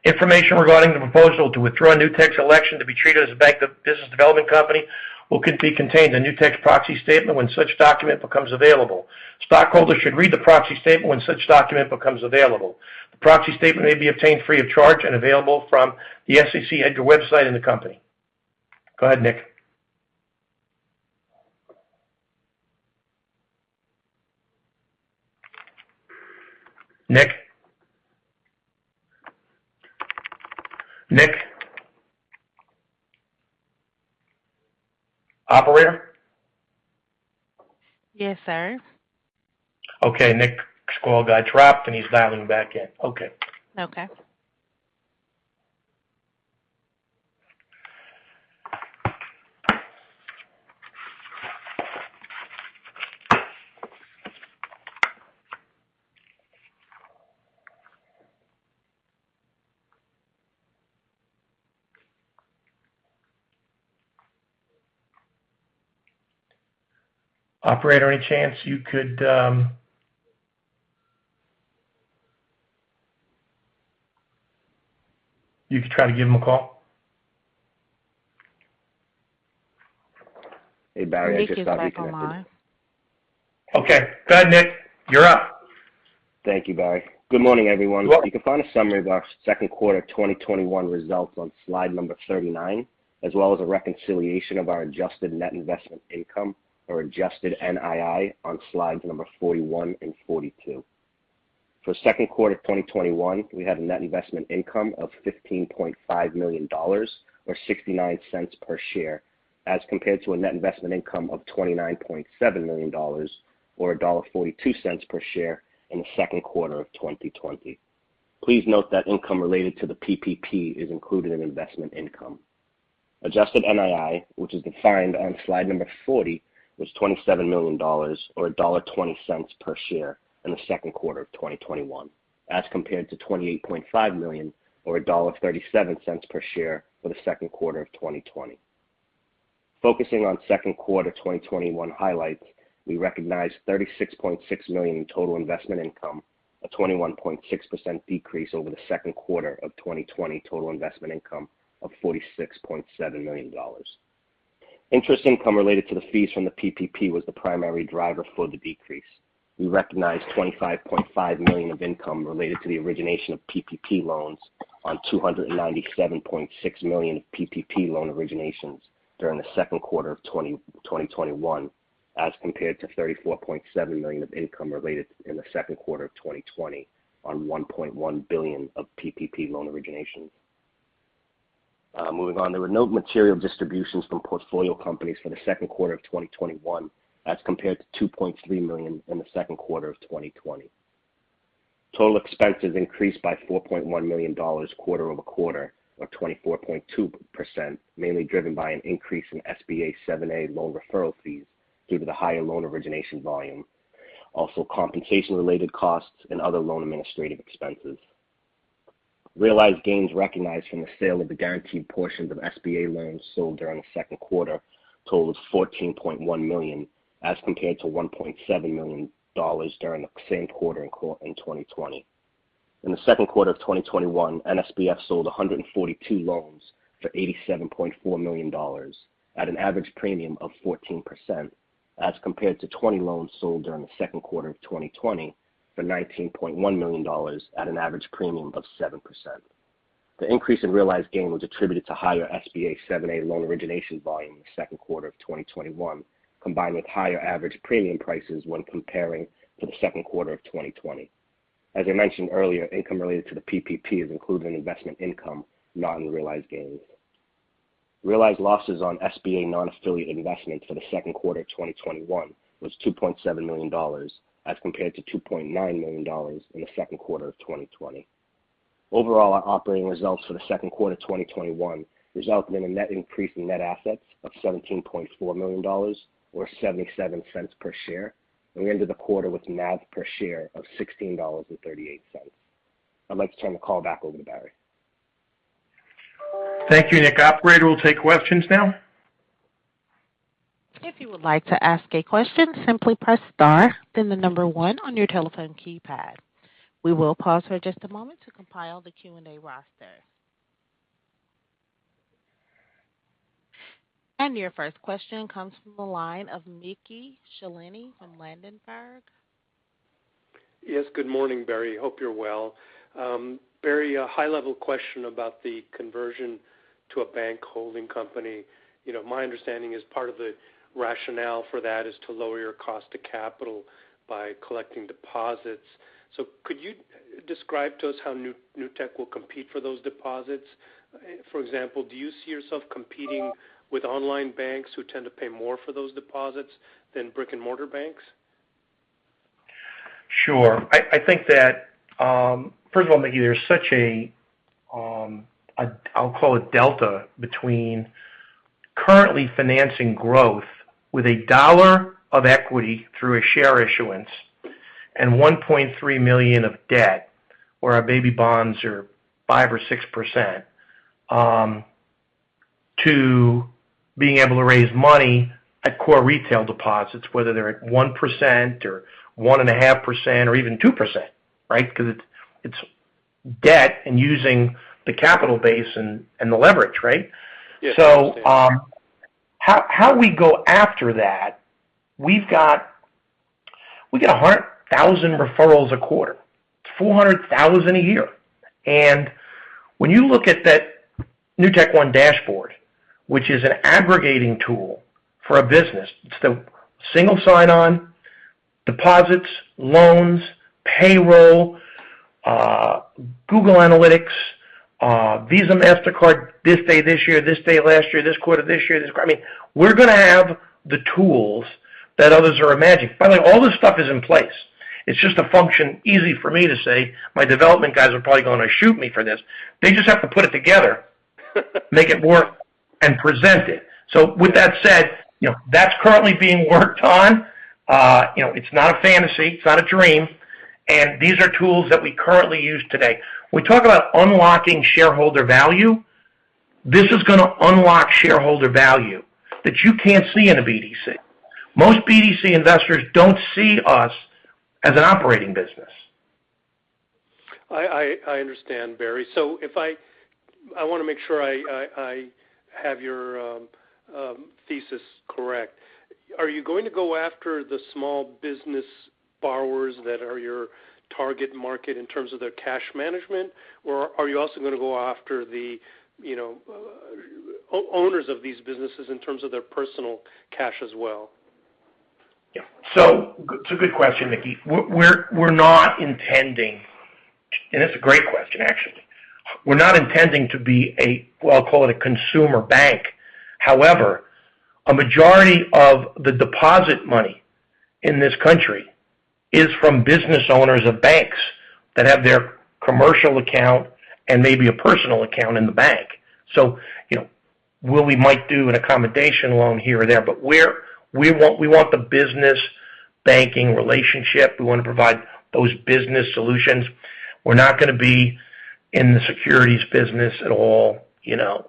Information regarding the proposal to withdraw Newtek's election to be treated as a business development company will be contained in Newtek's proxy statement when such document becomes available. Stockholders should read the proxy statement when such document becomes available. The proxy statement may be obtained free of charge and available from the SEC EDGAR website and the company. Go ahead, Nick. Nick? Nick? Operator? Yes, sir. Okay, Nick's call got dropped, and he's dialing back in. Okay. Okay. Operator, any chance you could try to give him a call? Hey, Barry, I just got reconnected. Okay. Go ahead, Nick. You're up. Thank you, Barry. Good morning, everyone. You're welcome. You can find a summary of our second quarter 2021 results on slide 39, as well as a reconciliation of our adjusted net investment income or adjusted NII on slides 41 and 42. For second quarter 2021, we had a net investment income of $15.5 million, or $0.69 per share, as compared to a net investment income of $29.7 million, or $1.42 per share in the second quarter of 2020. Please note that income related to the PPP is included in investment income. Adjusted NII, which is defined on slide 40, was $27 million, or $1.20 per share in the second quarter of 2021, as compared to $28.5 million or $1.37 per share for the second quarter of 2020. Focusing on second quarter 2021 highlights, we recognized $36.6 million in total investment income, a 21.6% decrease over the second quarter of 2020 total investment income of $46.7 million. Interest income related to the fees from the PPP was the primary driver for the decrease. We recognized $25.5 million of income related to the origination of PPP loans on $297.6 million of PPP loan originations during the second quarter of 2021, as compared to $34.7 million of income related in the second quarter of 2020 on $1.1 billion of PPP loan originations. Moving on. There were no material distributions from portfolio companies for the second quarter of 2021, as compared to $2.3 million in the second quarter of 2020. Total expenses increased by $4.1 million quarter-over-quarter, or 24.2%, mainly driven by an increase in SBA 7(a) loan referral fees due to the higher loan origination volume. Complication-related costs and other loan administrative expenses. Realized gains recognized from the sale of the guaranteed portions of SBA loans sold during the second quarter totaled $14.1 million, as compared to $1.7 million during the same quarter in 2020. In the second quarter of 2021, NSBF sold 142 loans for $87.4 million at an average premium of 14%, as compared to 20 loans sold during the second quarter of 2020 for $19.1 million at an average premium of 7%. The increase in realized gain was attributed to higher SBA 7(a) loan origination volume in the second quarter of 2021, combined with higher average premium prices when comparing to the second quarter of 2020. As I mentioned earlier, income related to the PPP is included in investment income, not in realized gains. Realized losses on SBA non-affiliate investments for the second quarter 2021 was $2.7 million, as compared to $2.9 million in the second quarter of 2020. Overall, our operating results for the second quarter 2021 resulted in a net increase in net assets of $17.4 million, or $0.77 per share. We ended the quarter with NAV per share of $16.38. I'd like to turn the call back over to Barry. Thank you, Nick. Operator will take questions now. If you would like to ask a question, simply press star, then the number one on your telephone keypad. We will pause for just a moment to compile the Q&A roster. Your first question comes from the line of Mickey Schleien from Ladenburg. Yes. Good morning, Barry. Hope you're well. Barry, a high-level question about the conversion to a bank holding company. My understanding is part of the rationale for that is to lower your cost to capital by collecting deposits. Could you describe to us how Newtek will compete for those deposits? For example, do you see yourself competing with online banks who tend to pay more for those deposits than brick-and-mortar banks? Sure. I think that, first of all, Mickey, there's such a, I'll call it delta between currently financing growth with $1 of equity through a share issuance and $1.3 million of debt, where our baby bonds are 5% or 6%, to being able to raise money at core retail deposits, whether they're at 1% or 1.5% or even 2%, right? It's debt and using the capital base and the leverage, right? Yes. How we go after that, we get 100,000 referrals a quarter. It's 400,000 a year. When you look at that NewtekOne dashboard, which is an aggregating tool for a business. It's the single sign-on, deposits, loans, payroll, Google Analytics, Visa, Mastercard, this day this year, this day last year, this quarter this year. We're going to have the tools that others are imagining. By the way, all this stuff is in place. It's just a function. Easy for me to say. My development guys are probably going to shoot me for this. They just have to put it together, make it work, and present it. With that said, that's currently being worked on. It's not a fantasy. It's not a dream. These are tools that we currently use today. We talk about unlocking shareholder value. This is going to unlock shareholder value that you can't see in a BDC. Most BDC investors don't see us as an operating business. I understand, Barry. I want to make sure I have your thesis correct. Are you going to go after the small business borrowers that are your target market in terms of their cash management? Are you also going to go after the owners of these businesses in terms of their personal cash as well? It's a good question, Mickey. It's a great question, actually. We're not intending to be a, well, I'll call it a consumer bank. However, a majority of the deposit money in this country is from business owners of banks that have their commercial account and maybe a personal account in the bank. We might do an accommodation loan here or there, but we want the business banking relationship. We want to provide those business solutions. We're not going to be in the securities business at all.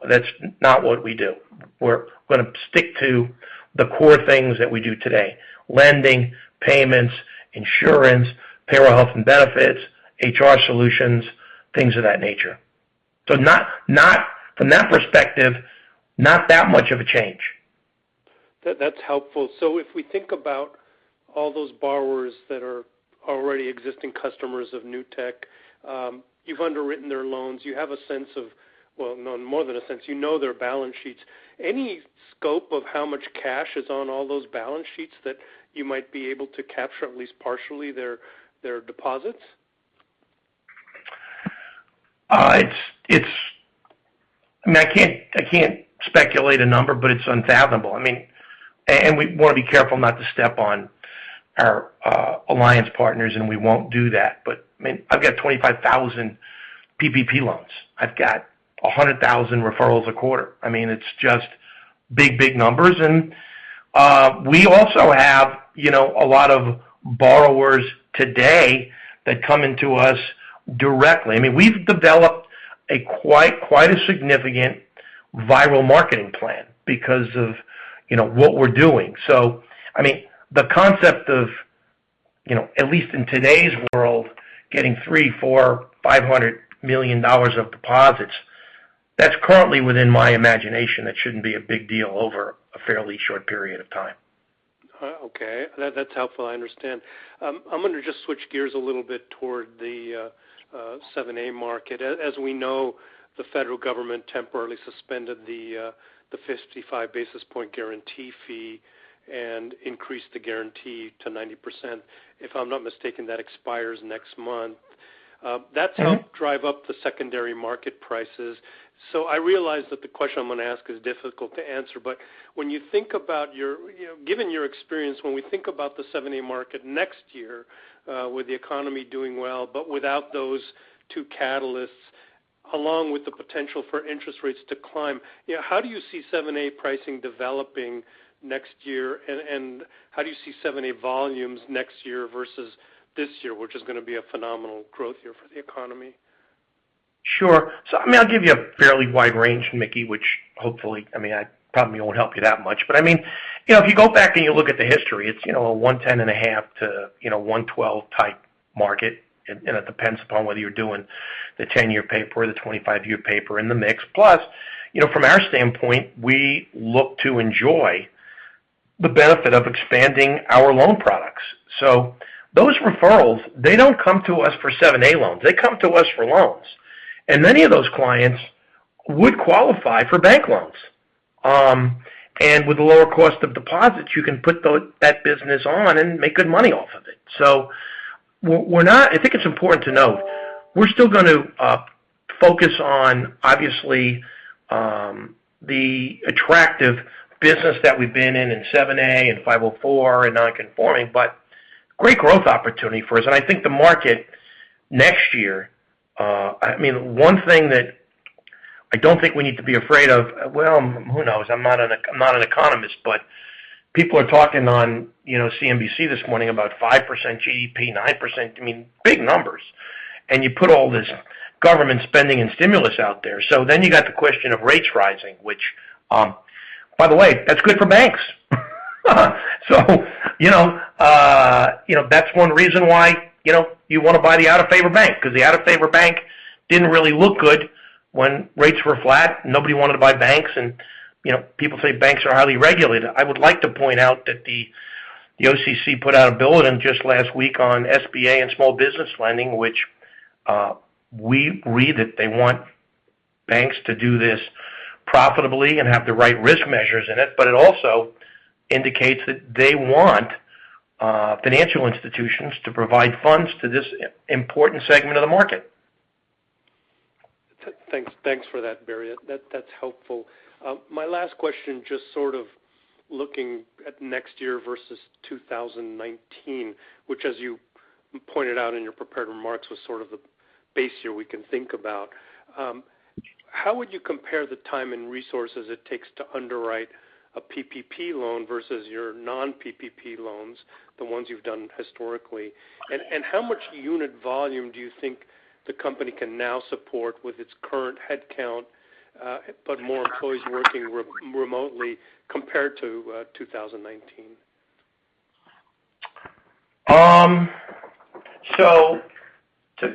That's not what we do. We're going to stick to the core things that we do today, lending, payments, insurance, payroll health and benefits, HR solutions, things of that nature. From that perspective, not that much of a change. That's helpful. If we think about all those borrowers that are already existing customers of Newtek, you've underwritten their loans. You have a sense of, well, more than a sense, you know their balance sheets. Any scope of how much cash is on all those balance sheets that you might be able to capture, at least partially, their deposits? I can't speculate a number, but it's unfathomable. We want to be careful not to step on our alliance partners, and we won't do that. I've got 25,000 PPP loans. I've got 100,000 referrals a quarter. It's just big numbers. We also have a lot of borrowers today that come into us directly. We've developed quite a significant viral marketing plan because of what we're doing. The concept of, at least in today's world, getting $300, $400, $500 million of deposits, that's currently within my imagination. That shouldn't be a big deal over a fairly short period of time. Okay. That's helpful. I understand. I'm going to just switch gears a little bit toward the 7(a) market. As we know, the Federal Government temporarily suspended the 55 basis point guarantee fee and increased the guarantee to 90%. If I'm not mistaken, that expires next month. That's helped drive up the secondary market prices. I realize that the question I'm going to ask is difficult to answer. Given your experience, when we think about the 7(a) market next year, with the economy doing well, without those two catalysts, along with the potential for interest rates to climb, how do you see 7(a) pricing developing next year, and how do you see 7(a) volumes next year versus this year, which is going to be a phenomenal growth year for the economy? Sure. I'll give you a fairly wide range, Mickey, which hopefully, probably won't help you that much. If you go back and you look at the history, it's a 110.5-112 type market. It depends upon whether you're doing the 10-year paper or the 25-year paper in the mix. Plus, from our standpoint, we look to enjoy the benefit of expanding our loan products. Those referrals, they don't come to us for 7(a) loans. They come to us for loans. Many of those clients would qualify for bank loans. With the lower cost of deposits, you can put that business on and make good money off of it. I think it's important to note, we're still going to focus on, obviously, the attractive business that we've been in 7(a) and 504 and non-conforming, but great growth opportunity for us. I think the market next year, one thing that I don't think we need to be afraid of. Well, who knows? I'm not an economist, but people are talking on CNBC this morning about 5% GDP, 9%, big numbers. You put all this government spending and stimulus out there. You got the question of rates rising, which by the way, that's good for banks. That's one reason why you want to buy the out-of-favor bank, because the out-of-favor bank didn't really look good when rates were flat. Nobody wanted to buy banks, and people say banks are highly regulated. I would like to point out that the OCC put out a bulletin just last week on SBA and small business lending, which we read that they want banks to do this profitably and have the right risk measures in it. It also indicates that they want financial institutions to provide funds to this important segment of the market. Thanks for that, Barry. That's helpful. My last question, just sort of looking at next year versus 2019, which as you pointed out in your prepared remarks, was sort of the base year we can think about. How would you compare the time and resources it takes to underwrite a PPP loan versus your non-PPP loans, the ones you've done historically? How much unit volume do you think the company can now support with its current head count, but more employees working remotely compared to 2019?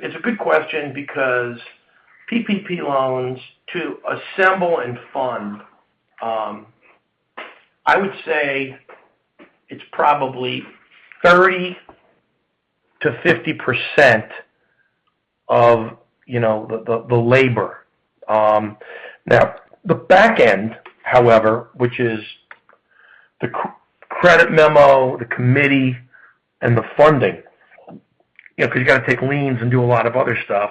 It's a good question because PPP loans to assemble and fund, I would say it's probably 30%-50% of the labor. The back end, however, which is the credit memo, the committee, and the funding, because you got to take liens and do a lot of other stuff.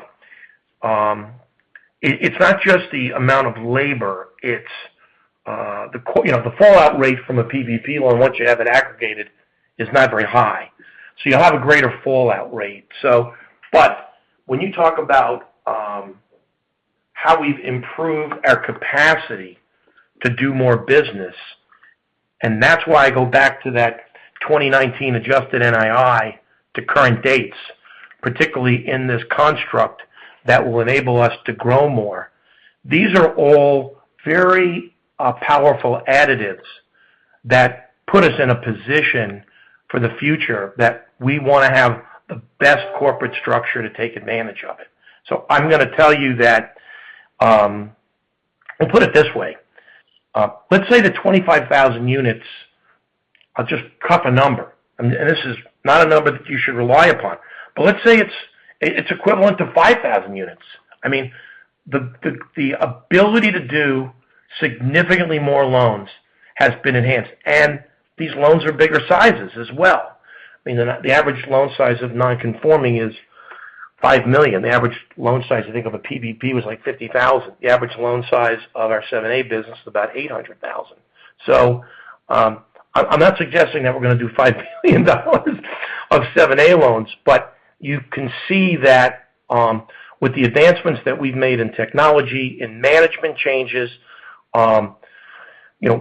It's not just the amount of labor, it's the fallout rate from a PPP loan, once you have it aggregated, is not very high. You'll have a greater fallout rate. When you talk about how we've improved our capacity to do more business, and that's why I go back to that 2019 adjusted NII to current dates, particularly in this construct that will enable us to grow more. These are all very powerful additives that put us in a position for the future that we want to have the best corporate structure to take advantage of it. I'm going to tell you, I'll put it this way. Let's say the 25,000 units, I'll just cuff a number, and this is not a number that you should rely upon. Let's say it's equivalent to 5,000 units. I mean, the ability to do significantly more loans has been enhanced. These loans are bigger sizes as well. I mean, the average loan size of non-conforming is $5 million. The average loan size, I think, of a PPP was like $50,000. The average loan size of our 7(a) business is about $800,000. I'm not suggesting that we're going to do $5 billion of 7(a) loans, but you can see that with the advancements that we've made in technology, in management changes,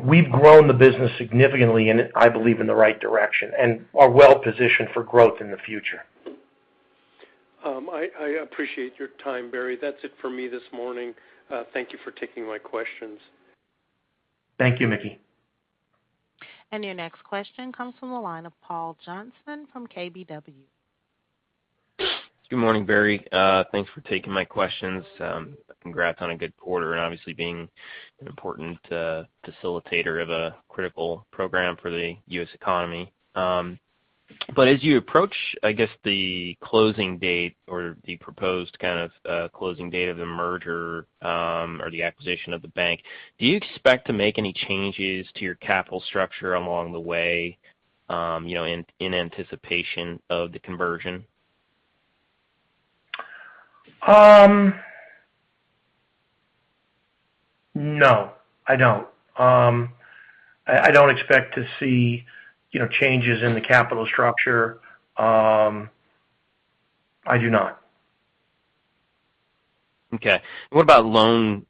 we've grown the business significantly, and I believe in the right direction, and are well-positioned for growth in the future. I appreciate your time, Barry. That's it for me this morning. Thank you for taking my questions. Thank you, Mickey. Your next question comes from the line of Paul Johnson from KBW. Good morning, Barry. Thanks for taking my questions. Congrats on a good quarter and obviously being an important facilitator of a critical program for the U.S. economy. As you approach, I guess, the closing date or the proposed kind of closing date of the merger or the acquisition of the bank, do you expect to make any changes to your capital structure along the way in anticipation of the conversion? No, I don't. I don't expect to see changes in the capital structure. I do not. Okay. What about loan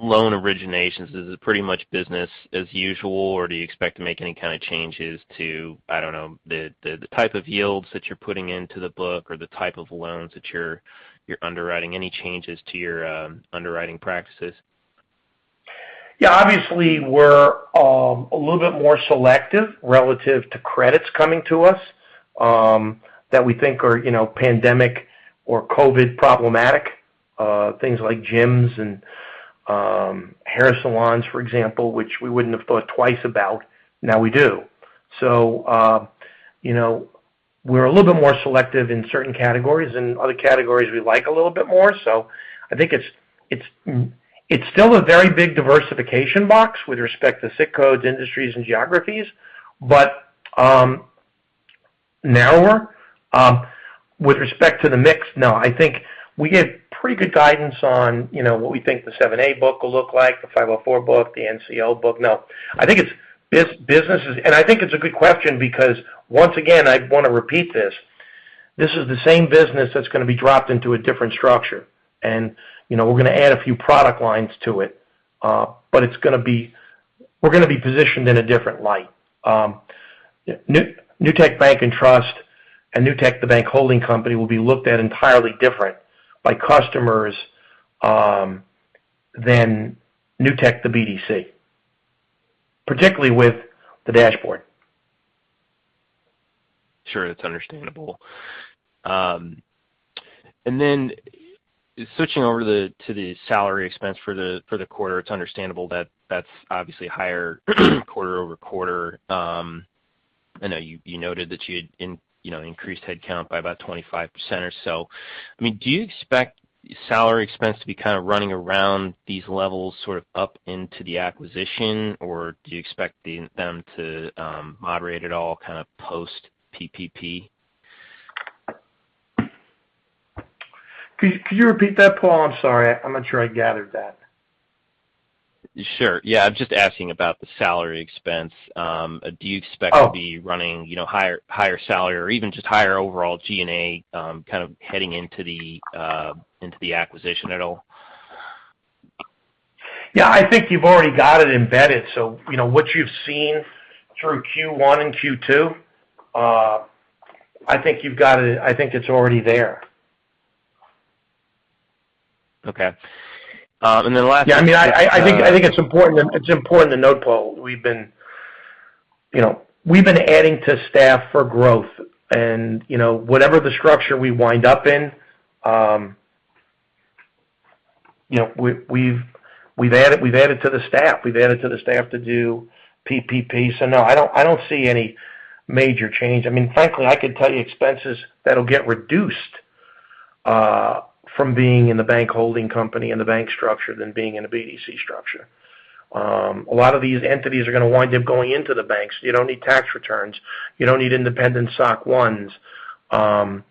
originations? Is it pretty much business as usual, or do you expect to make any kind of changes to, I don't know, the type of yields that you're putting into the book or the type of loans that you're underwriting? Any changes to your underwriting practices? Yeah, obviously, we're a little bit more selective relative to credits coming to us that we think are pandemic or COVID problematic. Things like gyms and hair salons, for example, which we wouldn't have thought twice about, now we do. We're a little bit more selective in certain categories, and other categories we like a little bit more. I think it's still a very big diversification box with respect to SIC codes, industries, and geographies. Narrower with respect to the mix, no. I think we give pretty good guidance on what we think the 7(a) book will look like, the 504 book, the NCO book. No. I think it's a good question because once again, I want to repeat this. This is the same business that's going to be dropped into a different structure. We're going to add a few product lines to it. We're going to be positioned in a different light. Newtek Bank and Trust and Newtek, the bank holding company, will be looked at entirely different by customers than Newtek, the BDC. Particularly with the dashboard. Sure. Then switching over to the salary expense for the quarter, it's understandable that that's obviously higher quarter-over-quarter. I know you noted that you increased headcount by about 25% or so. Do you expect salary expense to be kind of running around these levels sort of up into the acquisition or do you expect them to moderate at all kind of post-PPP? Could you repeat that, Paul? I'm sorry. I'm not sure I gathered that. Sure. Yeah. I'm just asking about the salary expense. Do you expect- Oh. To be running higher salary or even just higher overall G&A kind of heading into the acquisition at all? Yeah. I think you've already got it embedded. What you've seen through Q1 and Q2, I think it's already there. Okay. Yeah. I think it's important to note, Paul, we've been adding to staff for growth. We've added to the staff to do PPP. No, I don't see any major change. Frankly, I could tell you expenses that'll get reduced from being in the bank holding company and the bank structure than being in a BDC structure. A lot of these entities are going to wind up going into the banks. You don't need tax returns. You don't need independent SOC 1s.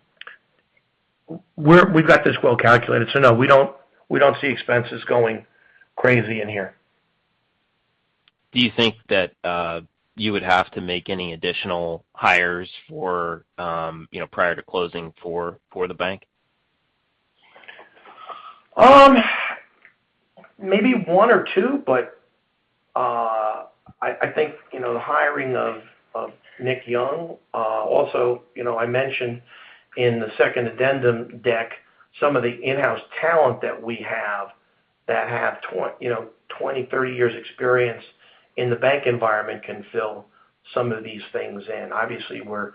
We've got this well calculated, so no, we don't see expenses going crazy in here. Do you think that you would have to make any additional hires prior to closing for the bank? Maybe one or two, but I think the hiring of Nick Young. I mentioned in the second addendum deck some of the in-house talent that we have that have 20 years, 30 years experience in the bank environment can fill some of these things in. Obviously, we're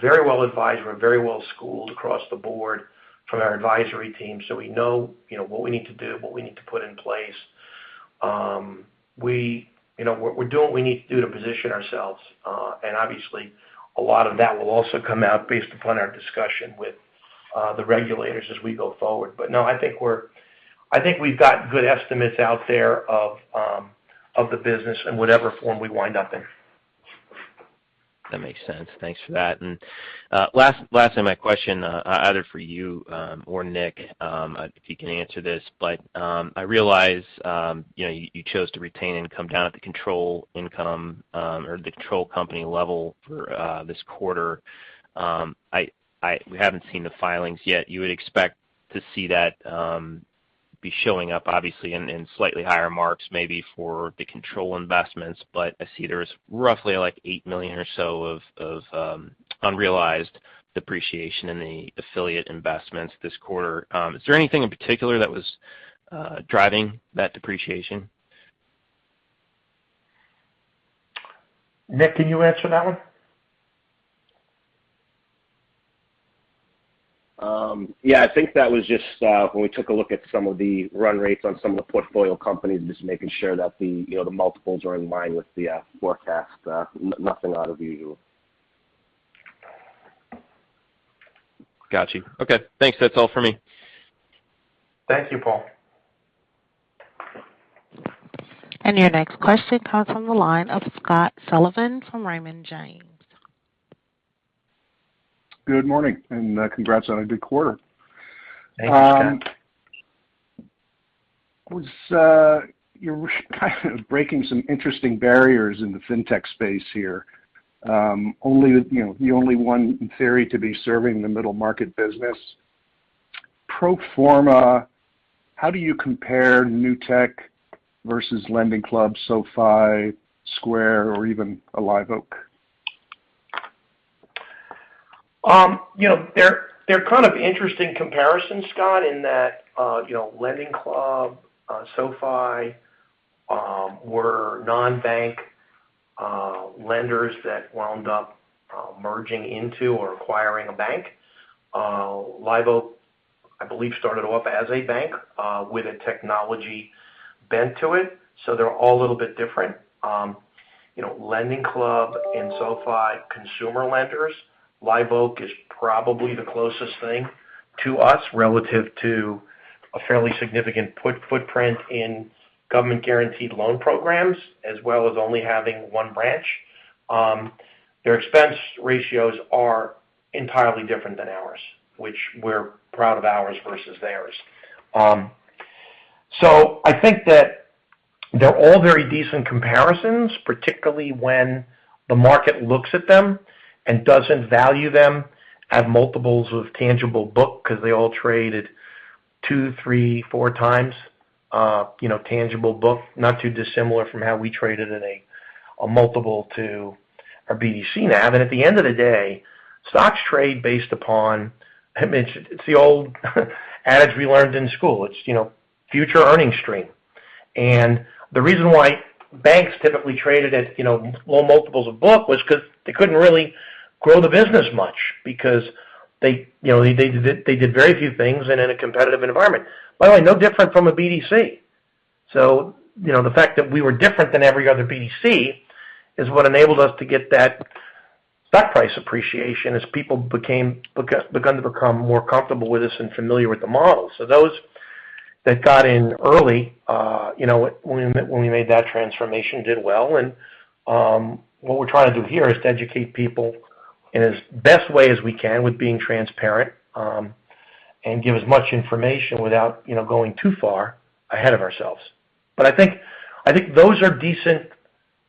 very well advised, we're very well schooled across the board from our advisory team. We know what we need to do, what we need to put in place. We're doing what we need to do to position ourselves. Obviously, a lot of that will also come out based upon our discussion with the regulators as we go forward. No, I think we've got good estimates out there of the business in whatever form we wind up in. That makes sense. Thanks for that. Last thing, my question either for you or Nick, if you can answer this, but I realize you chose to retain income down at the control income or the control company level for this quarter. We haven't seen the filings yet. You would expect to see that be showing up, obviously, in slightly higher marks, maybe for the control investments. I see there is roughly like $8 million or so of unrealized depreciation in the affiliate investments this quarter. Is there anything in particular that was driving that depreciation? Nick, can you answer that one? Yeah, I think that was just when we took a look at some of the run rates on some of the portfolio companies, just making sure that the multiples are in line with the forecast. Nothing out of the usual. Got you. Okay, thanks. That's all for me. Thank you, Paul. Your next question comes on the line of Scott Sullivan from Raymond James. Good morning, congrats on a good quarter. Thanks, Scott. You're kind of breaking some interesting barriers in the fintech space here. The only one in theory to be serving the middle market business. Pro forma, how do you compare Newtek versus LendingClub, SoFi, Square, or even a Live Oak? They're kind of interesting comparisons, Scott, in that LendingClub, SoFi, were non-bank lenders that wound up merging into or acquiring a bank. Live Oak, I believe, started off as a bank with a technology bent to it. They're all a little bit different. LendingClub and SoFi, consumer lenders. Live Oak is probably the closest thing to us relative to a fairly significant footprint in government-guaranteed loan programs, as well as only having one branch. Their expense ratios are entirely different than ours, which we're proud of ours versus theirs. I think that they're all very decent comparisons, particularly when the market looks at them and doesn't value them at multiples of tangible book because they all trade at two, three, four times tangible book, not too dissimilar from how we traded at a multiple to our BDC NAV. At the end of the day, stocks trade based upon, it's the old adage we learned in school. It's future earnings stream. The reason why banks typically traded at low multiples of book was because they couldn't really grow the business much because they did very few things and in a competitive environment. By the way, no different from a BDC. The fact that we were different than every other BDC is what enabled us to get that stock price appreciation as people begun to become more comfortable with us and familiar with the model. Those that got in early when we made that transformation did well. What we're trying to do here is to educate people in as best way as we can with being transparent and give as much information without going too far ahead of ourselves. I think those are decent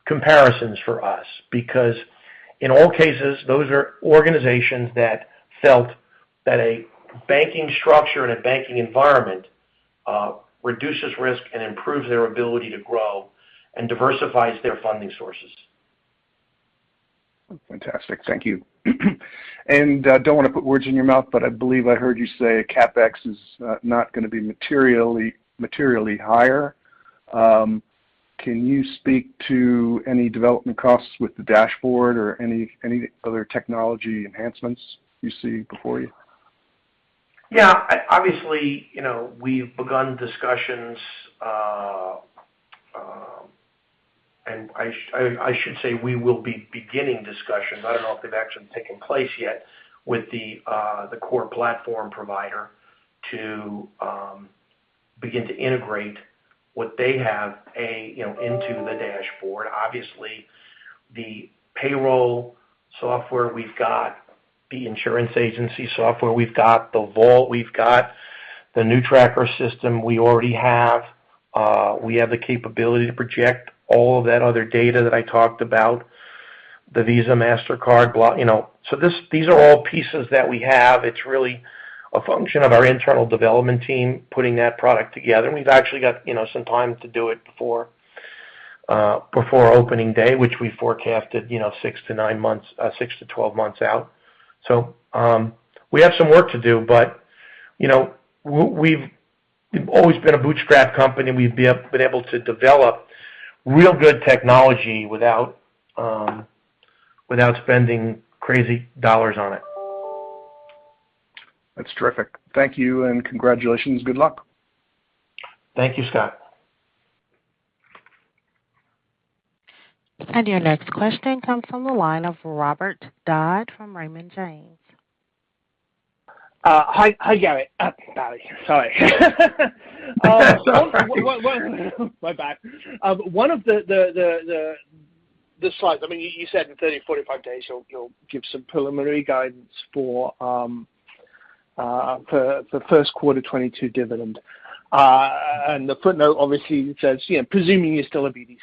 comparisons for us because in all cases, those are organizations that felt that a banking structure and a banking environment reduces risk and improves their ability to grow and diversifies their funding sources. Fantastic. Thank you. Don't want to put words in your mouth, but I believe I heard you say CapEx is not going to be materially higher. Can you speak to any development costs with the dashboard or any other technology enhancements you see before you? Obviously, we've begun discussions. I should say we will be beginning discussions, I don't know if they've actually taken place yet, with the core platform provider to begin to integrate what they have into the dashboard. Obviously, the payroll software we've got, the insurance agency software we've got, the vault we've got, the NewTracker system we already have. We have the capability to project all of that other data that I talked about, the Visa, Mastercard. These are all pieces that we have. It's really a function of our internal development team putting that product together. We've actually got some time to do it before opening day, which we forecasted 6-12 months out. We have some work to do, but we've always been a bootstrap company, and we've been able to develop real good technology without spending crazy dollars on it. That's terrific. Thank you, and congratulations. Good luck. Thank you, Scott. Your next question comes from the line of Robert Dodd from Raymond James. Hi, Gary. Barry. Sorry. My bad. One of the slides, you said in 30 days, 45 days you'll give some preliminary guidance for the first quarter 2022 dividend. The footnote obviously says, presuming you're still a BDC.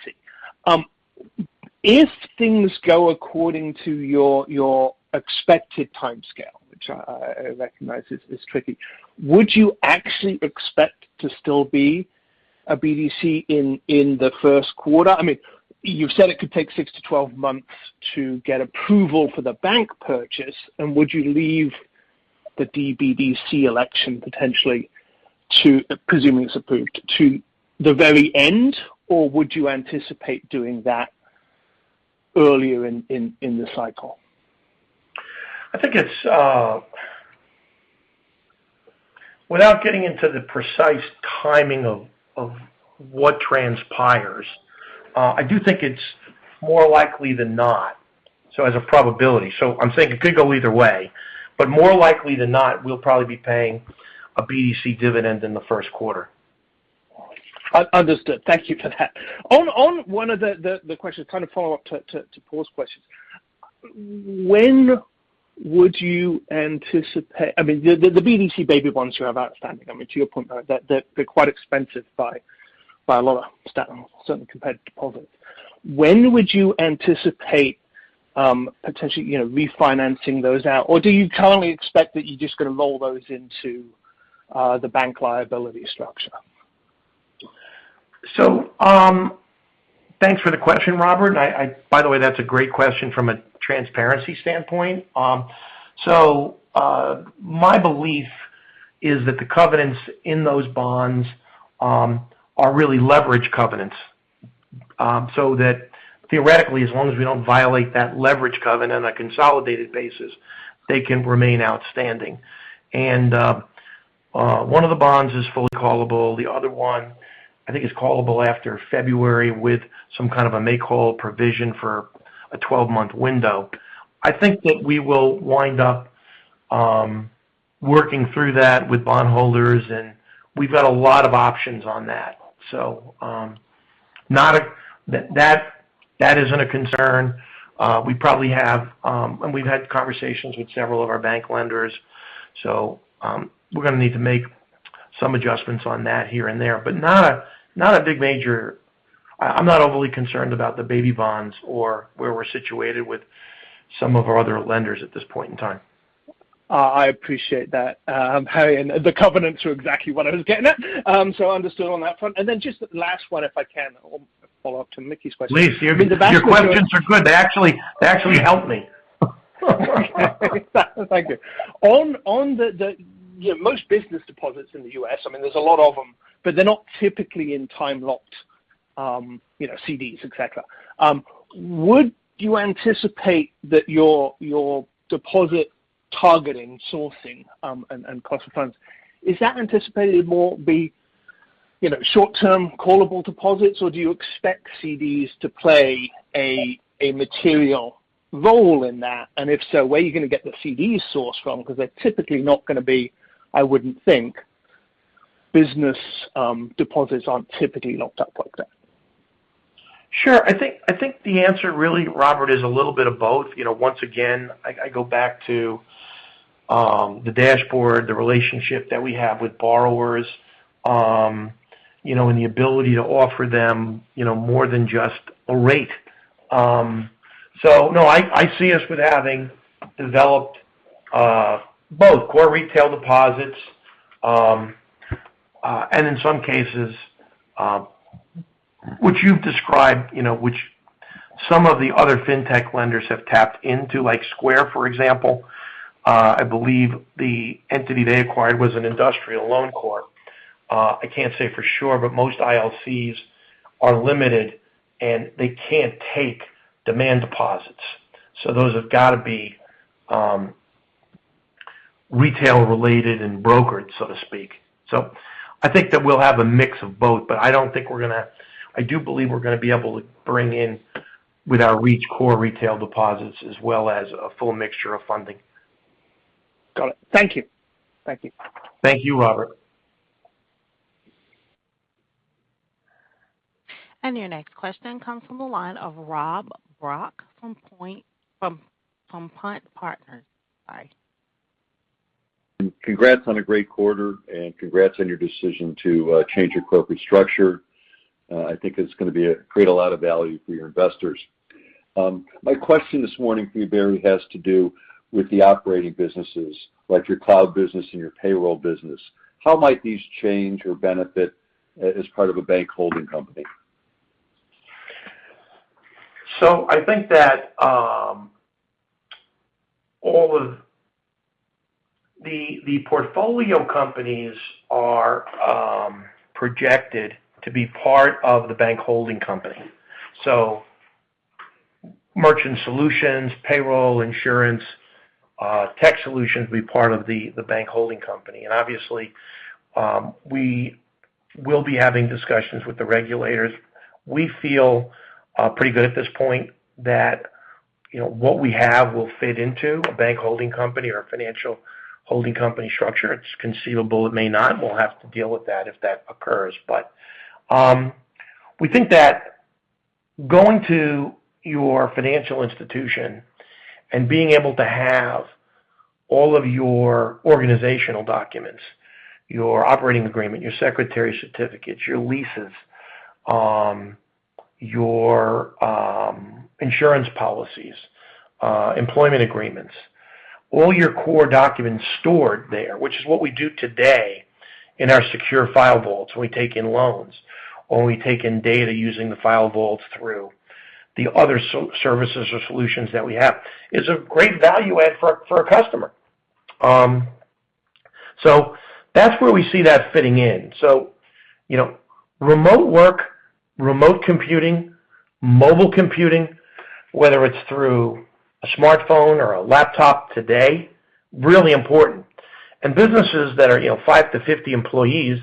If things go according to your expected timescale, which I recognize is tricky, would you actually expect to still be a BDC in the first quarter? You've said it could take 6-12 months to get approval for the bank purchase, and would you leave the BDC election potentially, presuming it's approved, to the very end, or would you anticipate doing that earlier in the cycle? Without getting into the precise timing of what transpires, I do think it's more likely than not, as a probability. I'm saying it could go either way, but more likely than not, we'll probably be paying a BDC dividend in the first quarter. Understood. Thank you for that. On one of the questions, kind of follow-up to Paul's questions. The BDC baby bonds you have outstanding, to your point, they're quite expensive by a lot of certain competitive deposits. When would you anticipate potentially refinancing those out? Or do you currently expect that you're just going to roll those into the bank liability structure? Thanks for the question, Robert. By the way, that's a great question from a transparency standpoint. My belief is that the covenants in those bonds are really leverage covenants. That theoretically, as long as we don't violate that leverage covenant on a consolidated basis, they can remain outstanding. One of the bonds is fully callable. The other one, I think, is callable after February with some kind of a May call provision for a 12-month window. I think that we will wind up working through that with bondholders, and we've got a lot of options on that. That isn't a concern. We've had conversations with several of our bank lenders. We're going to need to make some adjustments on that here and there, but not a big major I'm not overly concerned about the baby bonds or where we're situated with some of our other lenders at this point in time. I appreciate that. The covenants were exactly what I was getting at, so understood on that front. Just last one, if I can, follow-up to Mickey's question. Please. Your questions are good. They actually help me. Thank you. Most business deposits in the U.S., there's a lot of them, but they're not typically in time locked, CDs, et cetera. Would you anticipate that your deposit targeting, sourcing, and cost of funds, is that anticipated more be short-term callable deposits, or do you expect CDs to play a material role in that? If so, where are you going to get the CD source from? They're typically not going to be, I wouldn't think. Business deposits aren't typically locked up like that. Sure. I think the answer really, Robert is a little bit of both. Once again, I go back to the dashboard, the relationship that we have with borrowers, and the ability to offer them more than just a rate. No, I see us with having developed both core retail deposits, and in some cases, which you've described, some of the other fintech lenders have tapped into, like Square, for example. I believe the entity they acquired was an industrial loan corp. I can't say for sure, but most ILCs are limited and they can't take demand deposits. Those have got to be retail-related and brokered, so to speak. I think that we'll have a mix of both, but I do believe we're going to be able to bring in with our reach core retail deposits as well as a full mixture of funding. Got it. Thank you. Thank you, Robert. Your next question comes from the line of Rob Brock from Point Partners. Sorry. Congrats on a great quarter. Congrats on your decision to change your corporate structure. I think it's going to create a lot of value for your investors. My question this morning for you, Barry, has to do with the operating businesses, like your cloud business and your payroll business. How might these change or benefit as part of a bank holding company? I think that all of the portfolio companies are projected to be part of the Bank Holding Company. Merchant Solutions, payroll, insurance, Tech Solutions will be part of the Bank Holding Company. Obviously, we will be having discussions with the regulators. We feel pretty good at this point that what we have will fit into a Bank Holding Company or a Financial Holding Company structure. It's conceivable it may not, and we'll have to deal with that if that occurs. We think that going to your financial institution and being able to have all of your organizational documents, your operating agreement, your secretary certificates, your leases, your insurance policies, employment agreements, all your core documents stored there, which is what we do today in our secure file vaults when we take in loans, or we take in data using the file vault through the other services or solutions that we have, is a great value add for a customer. That's where we see that fitting in. Remote work, remote computing, mobile computing, whether it's through a smartphone or a laptop today, really important. Businesses that are five to 50 employees,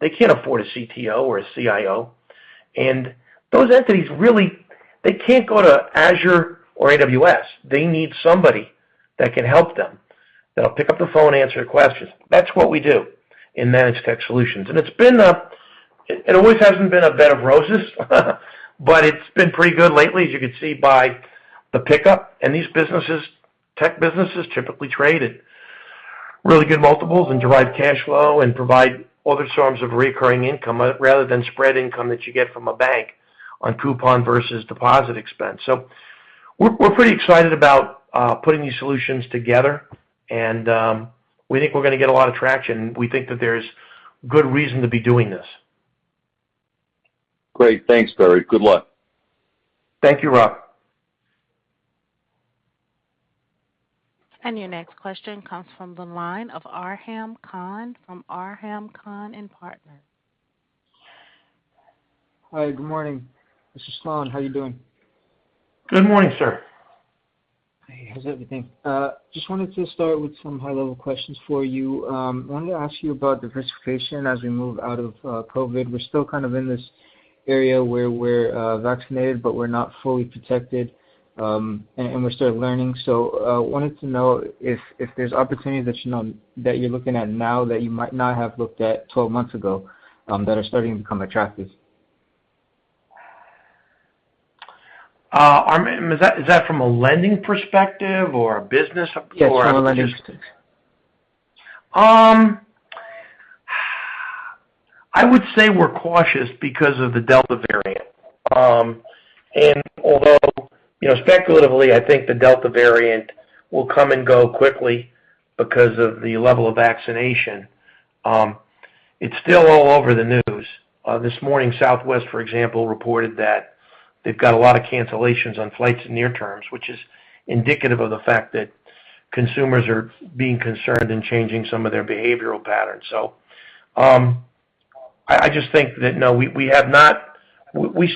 they can't afford a CTO or a CIO. Those entities really can't go to Azure or AWS. They need somebody that can help them, that'll pick up the phone and answer questions. That's what we do in Managed Technology Solutions. It always hasn't been a bed of roses, but it's been pretty good lately, as you can see by the pickup. These tech businesses typically trade at really good multiples and derive cash flow and provide other forms of recurring income rather than spread income that you get from a bank on coupon versus deposit expense. We're pretty excited about putting these solutions together. We think we're going to get a lot of traction. We think that there's good reason to be doing this. Great. Thanks, Barry. Good luck. Thank you, Rob. Your next question comes from the line of Arham Khan from Arham Khan and Partners. Hi. Good morning. This is Khan. How are you doing? Good morning, sir. Hey. How's everything? Just wanted to start with some high-level questions for you. I wanted to ask you about diversification as we move out of COVID. We're still kind of in this area where we're vaccinated, but we're not fully protected. We're still learning. I wanted to know if there's opportunities that you're looking at now that you might not have looked at 12 months ago, that are starting to become attractive. Is that from a lending perspective or a business perspective? Yeah, from a lending perspective. I would say we're cautious because of the Delta variant. Although speculatively, I think the Delta variant will come and go quickly because of the level of vaccination. It's still all over the news. This morning, Southwest, for example, reported that they've got a lot of cancellations on flights in near-terms, which is indicative of the fact that consumers are being concerned and changing some of their behavioral patterns. I just think that, no, we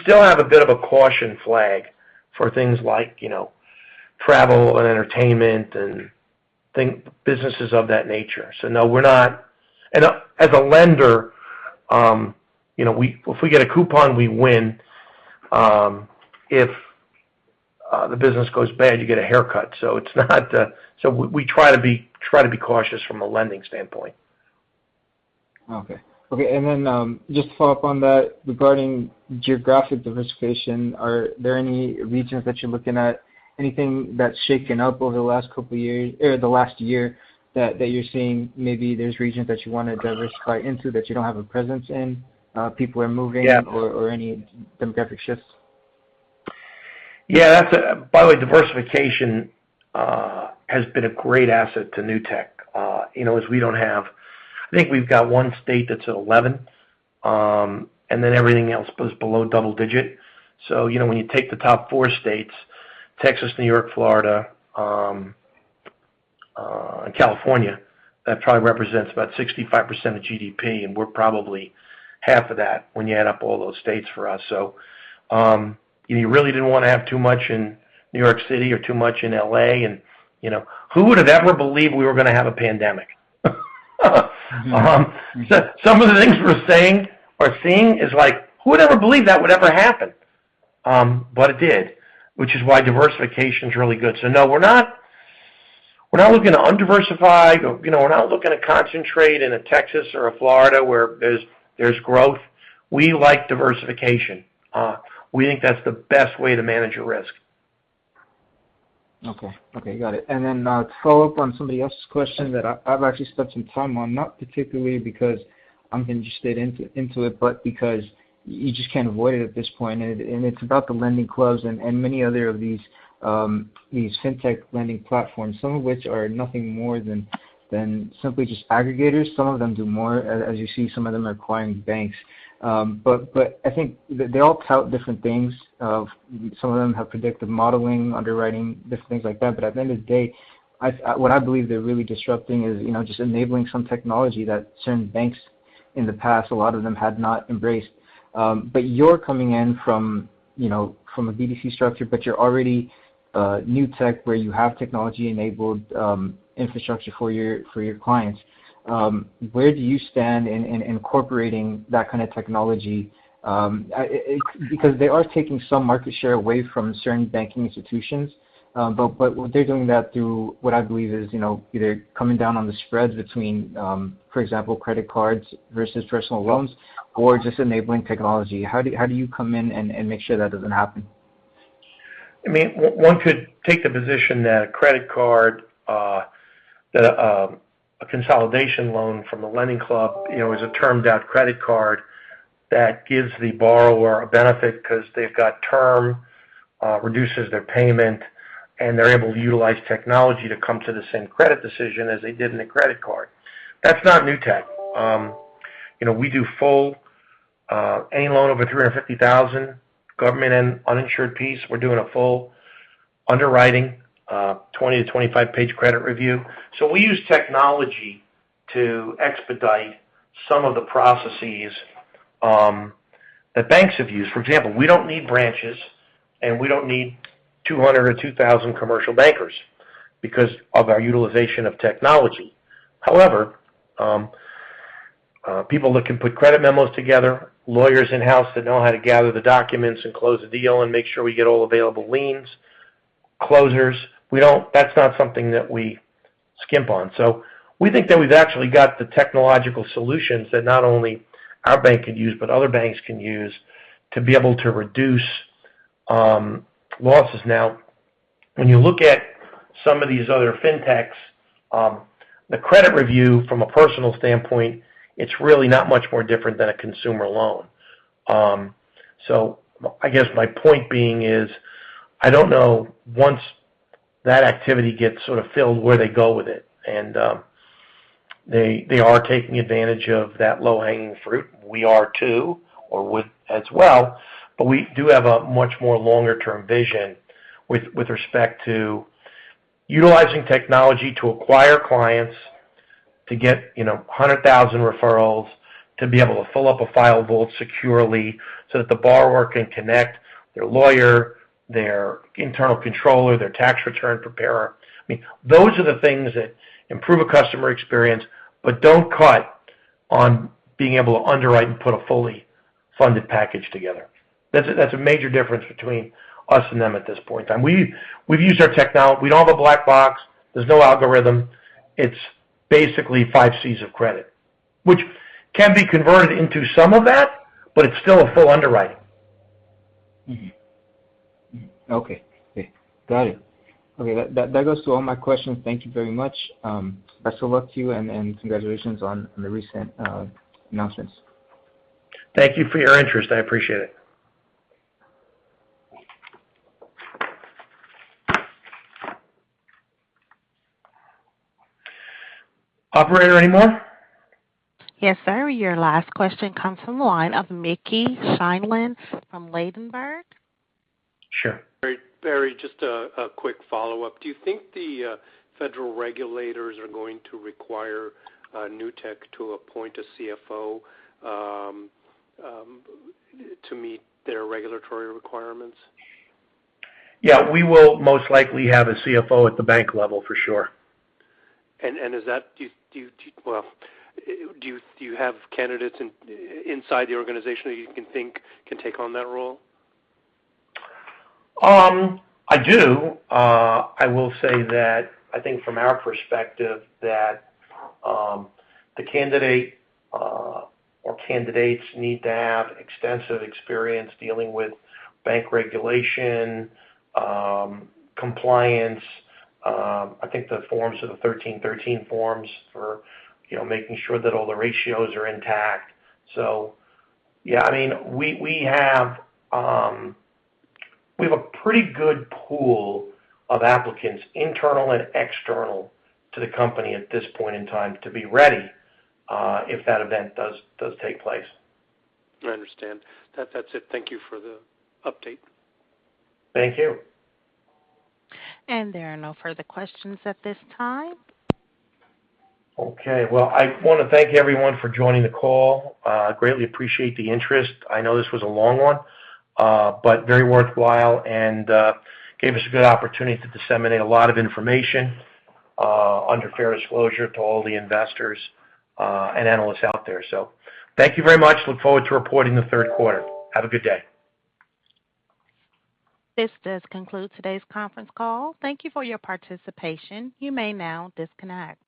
still have a bit of a caution flag for things like travel and entertainment and businesses of that nature. No, we're not. As a lender, if we get a coupon, we win. If the business goes bad, you get a haircut. We try to be cautious from a lending standpoint. Okay. Just to follow-up on that, regarding geographic diversification, are there any regions that you're looking at? Anything that's shaken up over the last year that you're seeing maybe there's regions that you want to diversify into that you don't have a presence in? Yeah. Any demographic shifts? Yeah. By the way, diversification has been a great asset to Newtek. I think we've got one state that's at 11%. Then everything else was below double digit. When you take the top four states, Texas, New York, Florida, and California, that probably represents about 65% of GDP, and we're probably half of that when you add up all those states for us. You really didn't want to have too much in New York City or too much in L.A. Who would have ever believed we were going to have a pandemic? Some of the things we're saying or seeing is like, who would ever believe that would ever happen? It did, which is why diversification's really good. No, we're not looking to undiversify, we're not looking to concentrate in a Texas or a Florida where there's growth. We like diversification. We think that's the best way to manage a risk. Okay. Got it. To follow-up on somebody else's question that I've actually spent some time on, not particularly because I'm interested into it, but because you just can't avoid it at this point, it's about the LendingClub and many other of these Fintech lending platforms, some of which are nothing more than simply just aggregators. Some of them do more, as you see, some of them are acquiring banks. I think they all tout different things. Some of them have predictive modeling, underwriting, different things like that. At the end of the day, what I believe they're really disrupting is just enabling some technology that certain banks in the past, a lot of them had not embraced. You're coming in from a BDC structure, but you're already Newtek, where you have technology-enabled infrastructure for your clients. Where do you stand in incorporating that kind of technology? They are taking some market share away from certain banking institutions. They're doing that through what I believe is either coming down on the spreads between, for example, credit cards versus personal loans or just enabling technology. How do you come in and make sure that doesn't happen? One could take the position that a consolidation loan from a LendingClub is a termed-out credit card that gives the borrower a benefit because they've got term, reduces their payment, and they're able to utilize technology to come to the same credit decision as they did in a credit card. That's not Newtek. We do any loan over $350,000, government and uninsured piece, we're doing a full underwriting, 20-25 page credit review. We use technology to expedite some of the processes that banks have used. For example, we don't need branches, and we don't need 200 or 2,000 commercial bankers because of our utilization of technology. However, people that can put credit memos together, lawyers in-house that know how to gather the documents and close a deal and make sure we get all available liens, closers, that's not something that we skimp on. We think that we've actually got the technological solutions that not only our Bank could use, but other banks can use to be able to reduce losses. When you look at some of these other Fintechs, the credit review from a personal standpoint, it's really not much more different than a consumer loan. I guess my point being is, I don't know, once that activity gets sort of filled, where they go with it. They are taking advantage of that low-hanging fruit. We are too, or as well, but we do have a much more longer-term vision with respect to utilizing technology to acquire clients, to get 100,000 referrals, to be able to fill up a file vault securely so that the borrower can connect their lawyer, their internal controller, their tax return preparer. Those are the things that improve a customer experience but don't cut on being able to underwrite and put a fully funded package together. That's a major difference between us and them at this point in time. We don't have a black box. There's no algorithm. It's basically five Cs of Credit, which can be converted into some of that, but it's still a full underwriting. Mm-hmm. Okay. Got it. Okay, that goes to all my questions. Thank you very much. Best of luck to you, and congratulations on the recent announcements. Thank you for your interest. I appreciate it. Operator, anyone? Yes, sir. Your last question comes from the line of Mickey Schleien from Ladenburg. Sure. Barry, just a quick follow-up. Do you think the federal regulators are going to require Newtek to appoint a CFO to meet their regulatory requirements? Yeah, we will most likely have a CFO at the bank level, for sure. Do you have candidates inside the organization that you can think can take on that role? I do. I will say that I think from our perspective, that the candidate or candidates need to have extensive experience dealing with bank regulation, compliance. I think the forms are the 1313 forms for making sure that all the ratios are intact. Yeah, we have a pretty good pool of applicants, internal and external to the company at this point in time to be ready, if that event does take place. I understand. That's it. Thank you for the update. Thank you. There are no further questions at this time. Well, I want to thank everyone for joining the call. Greatly appreciate the interest. I know this was a long one, but very worthwhile, and gave us a good opportunity to disseminate a lot of information under fair disclosure to all the investors and analysts out there. Thank you very much. Look forward to reporting the third quarter. Have a good day. This does conclude today's conference call. Thank you for your participation. You may now disconnect.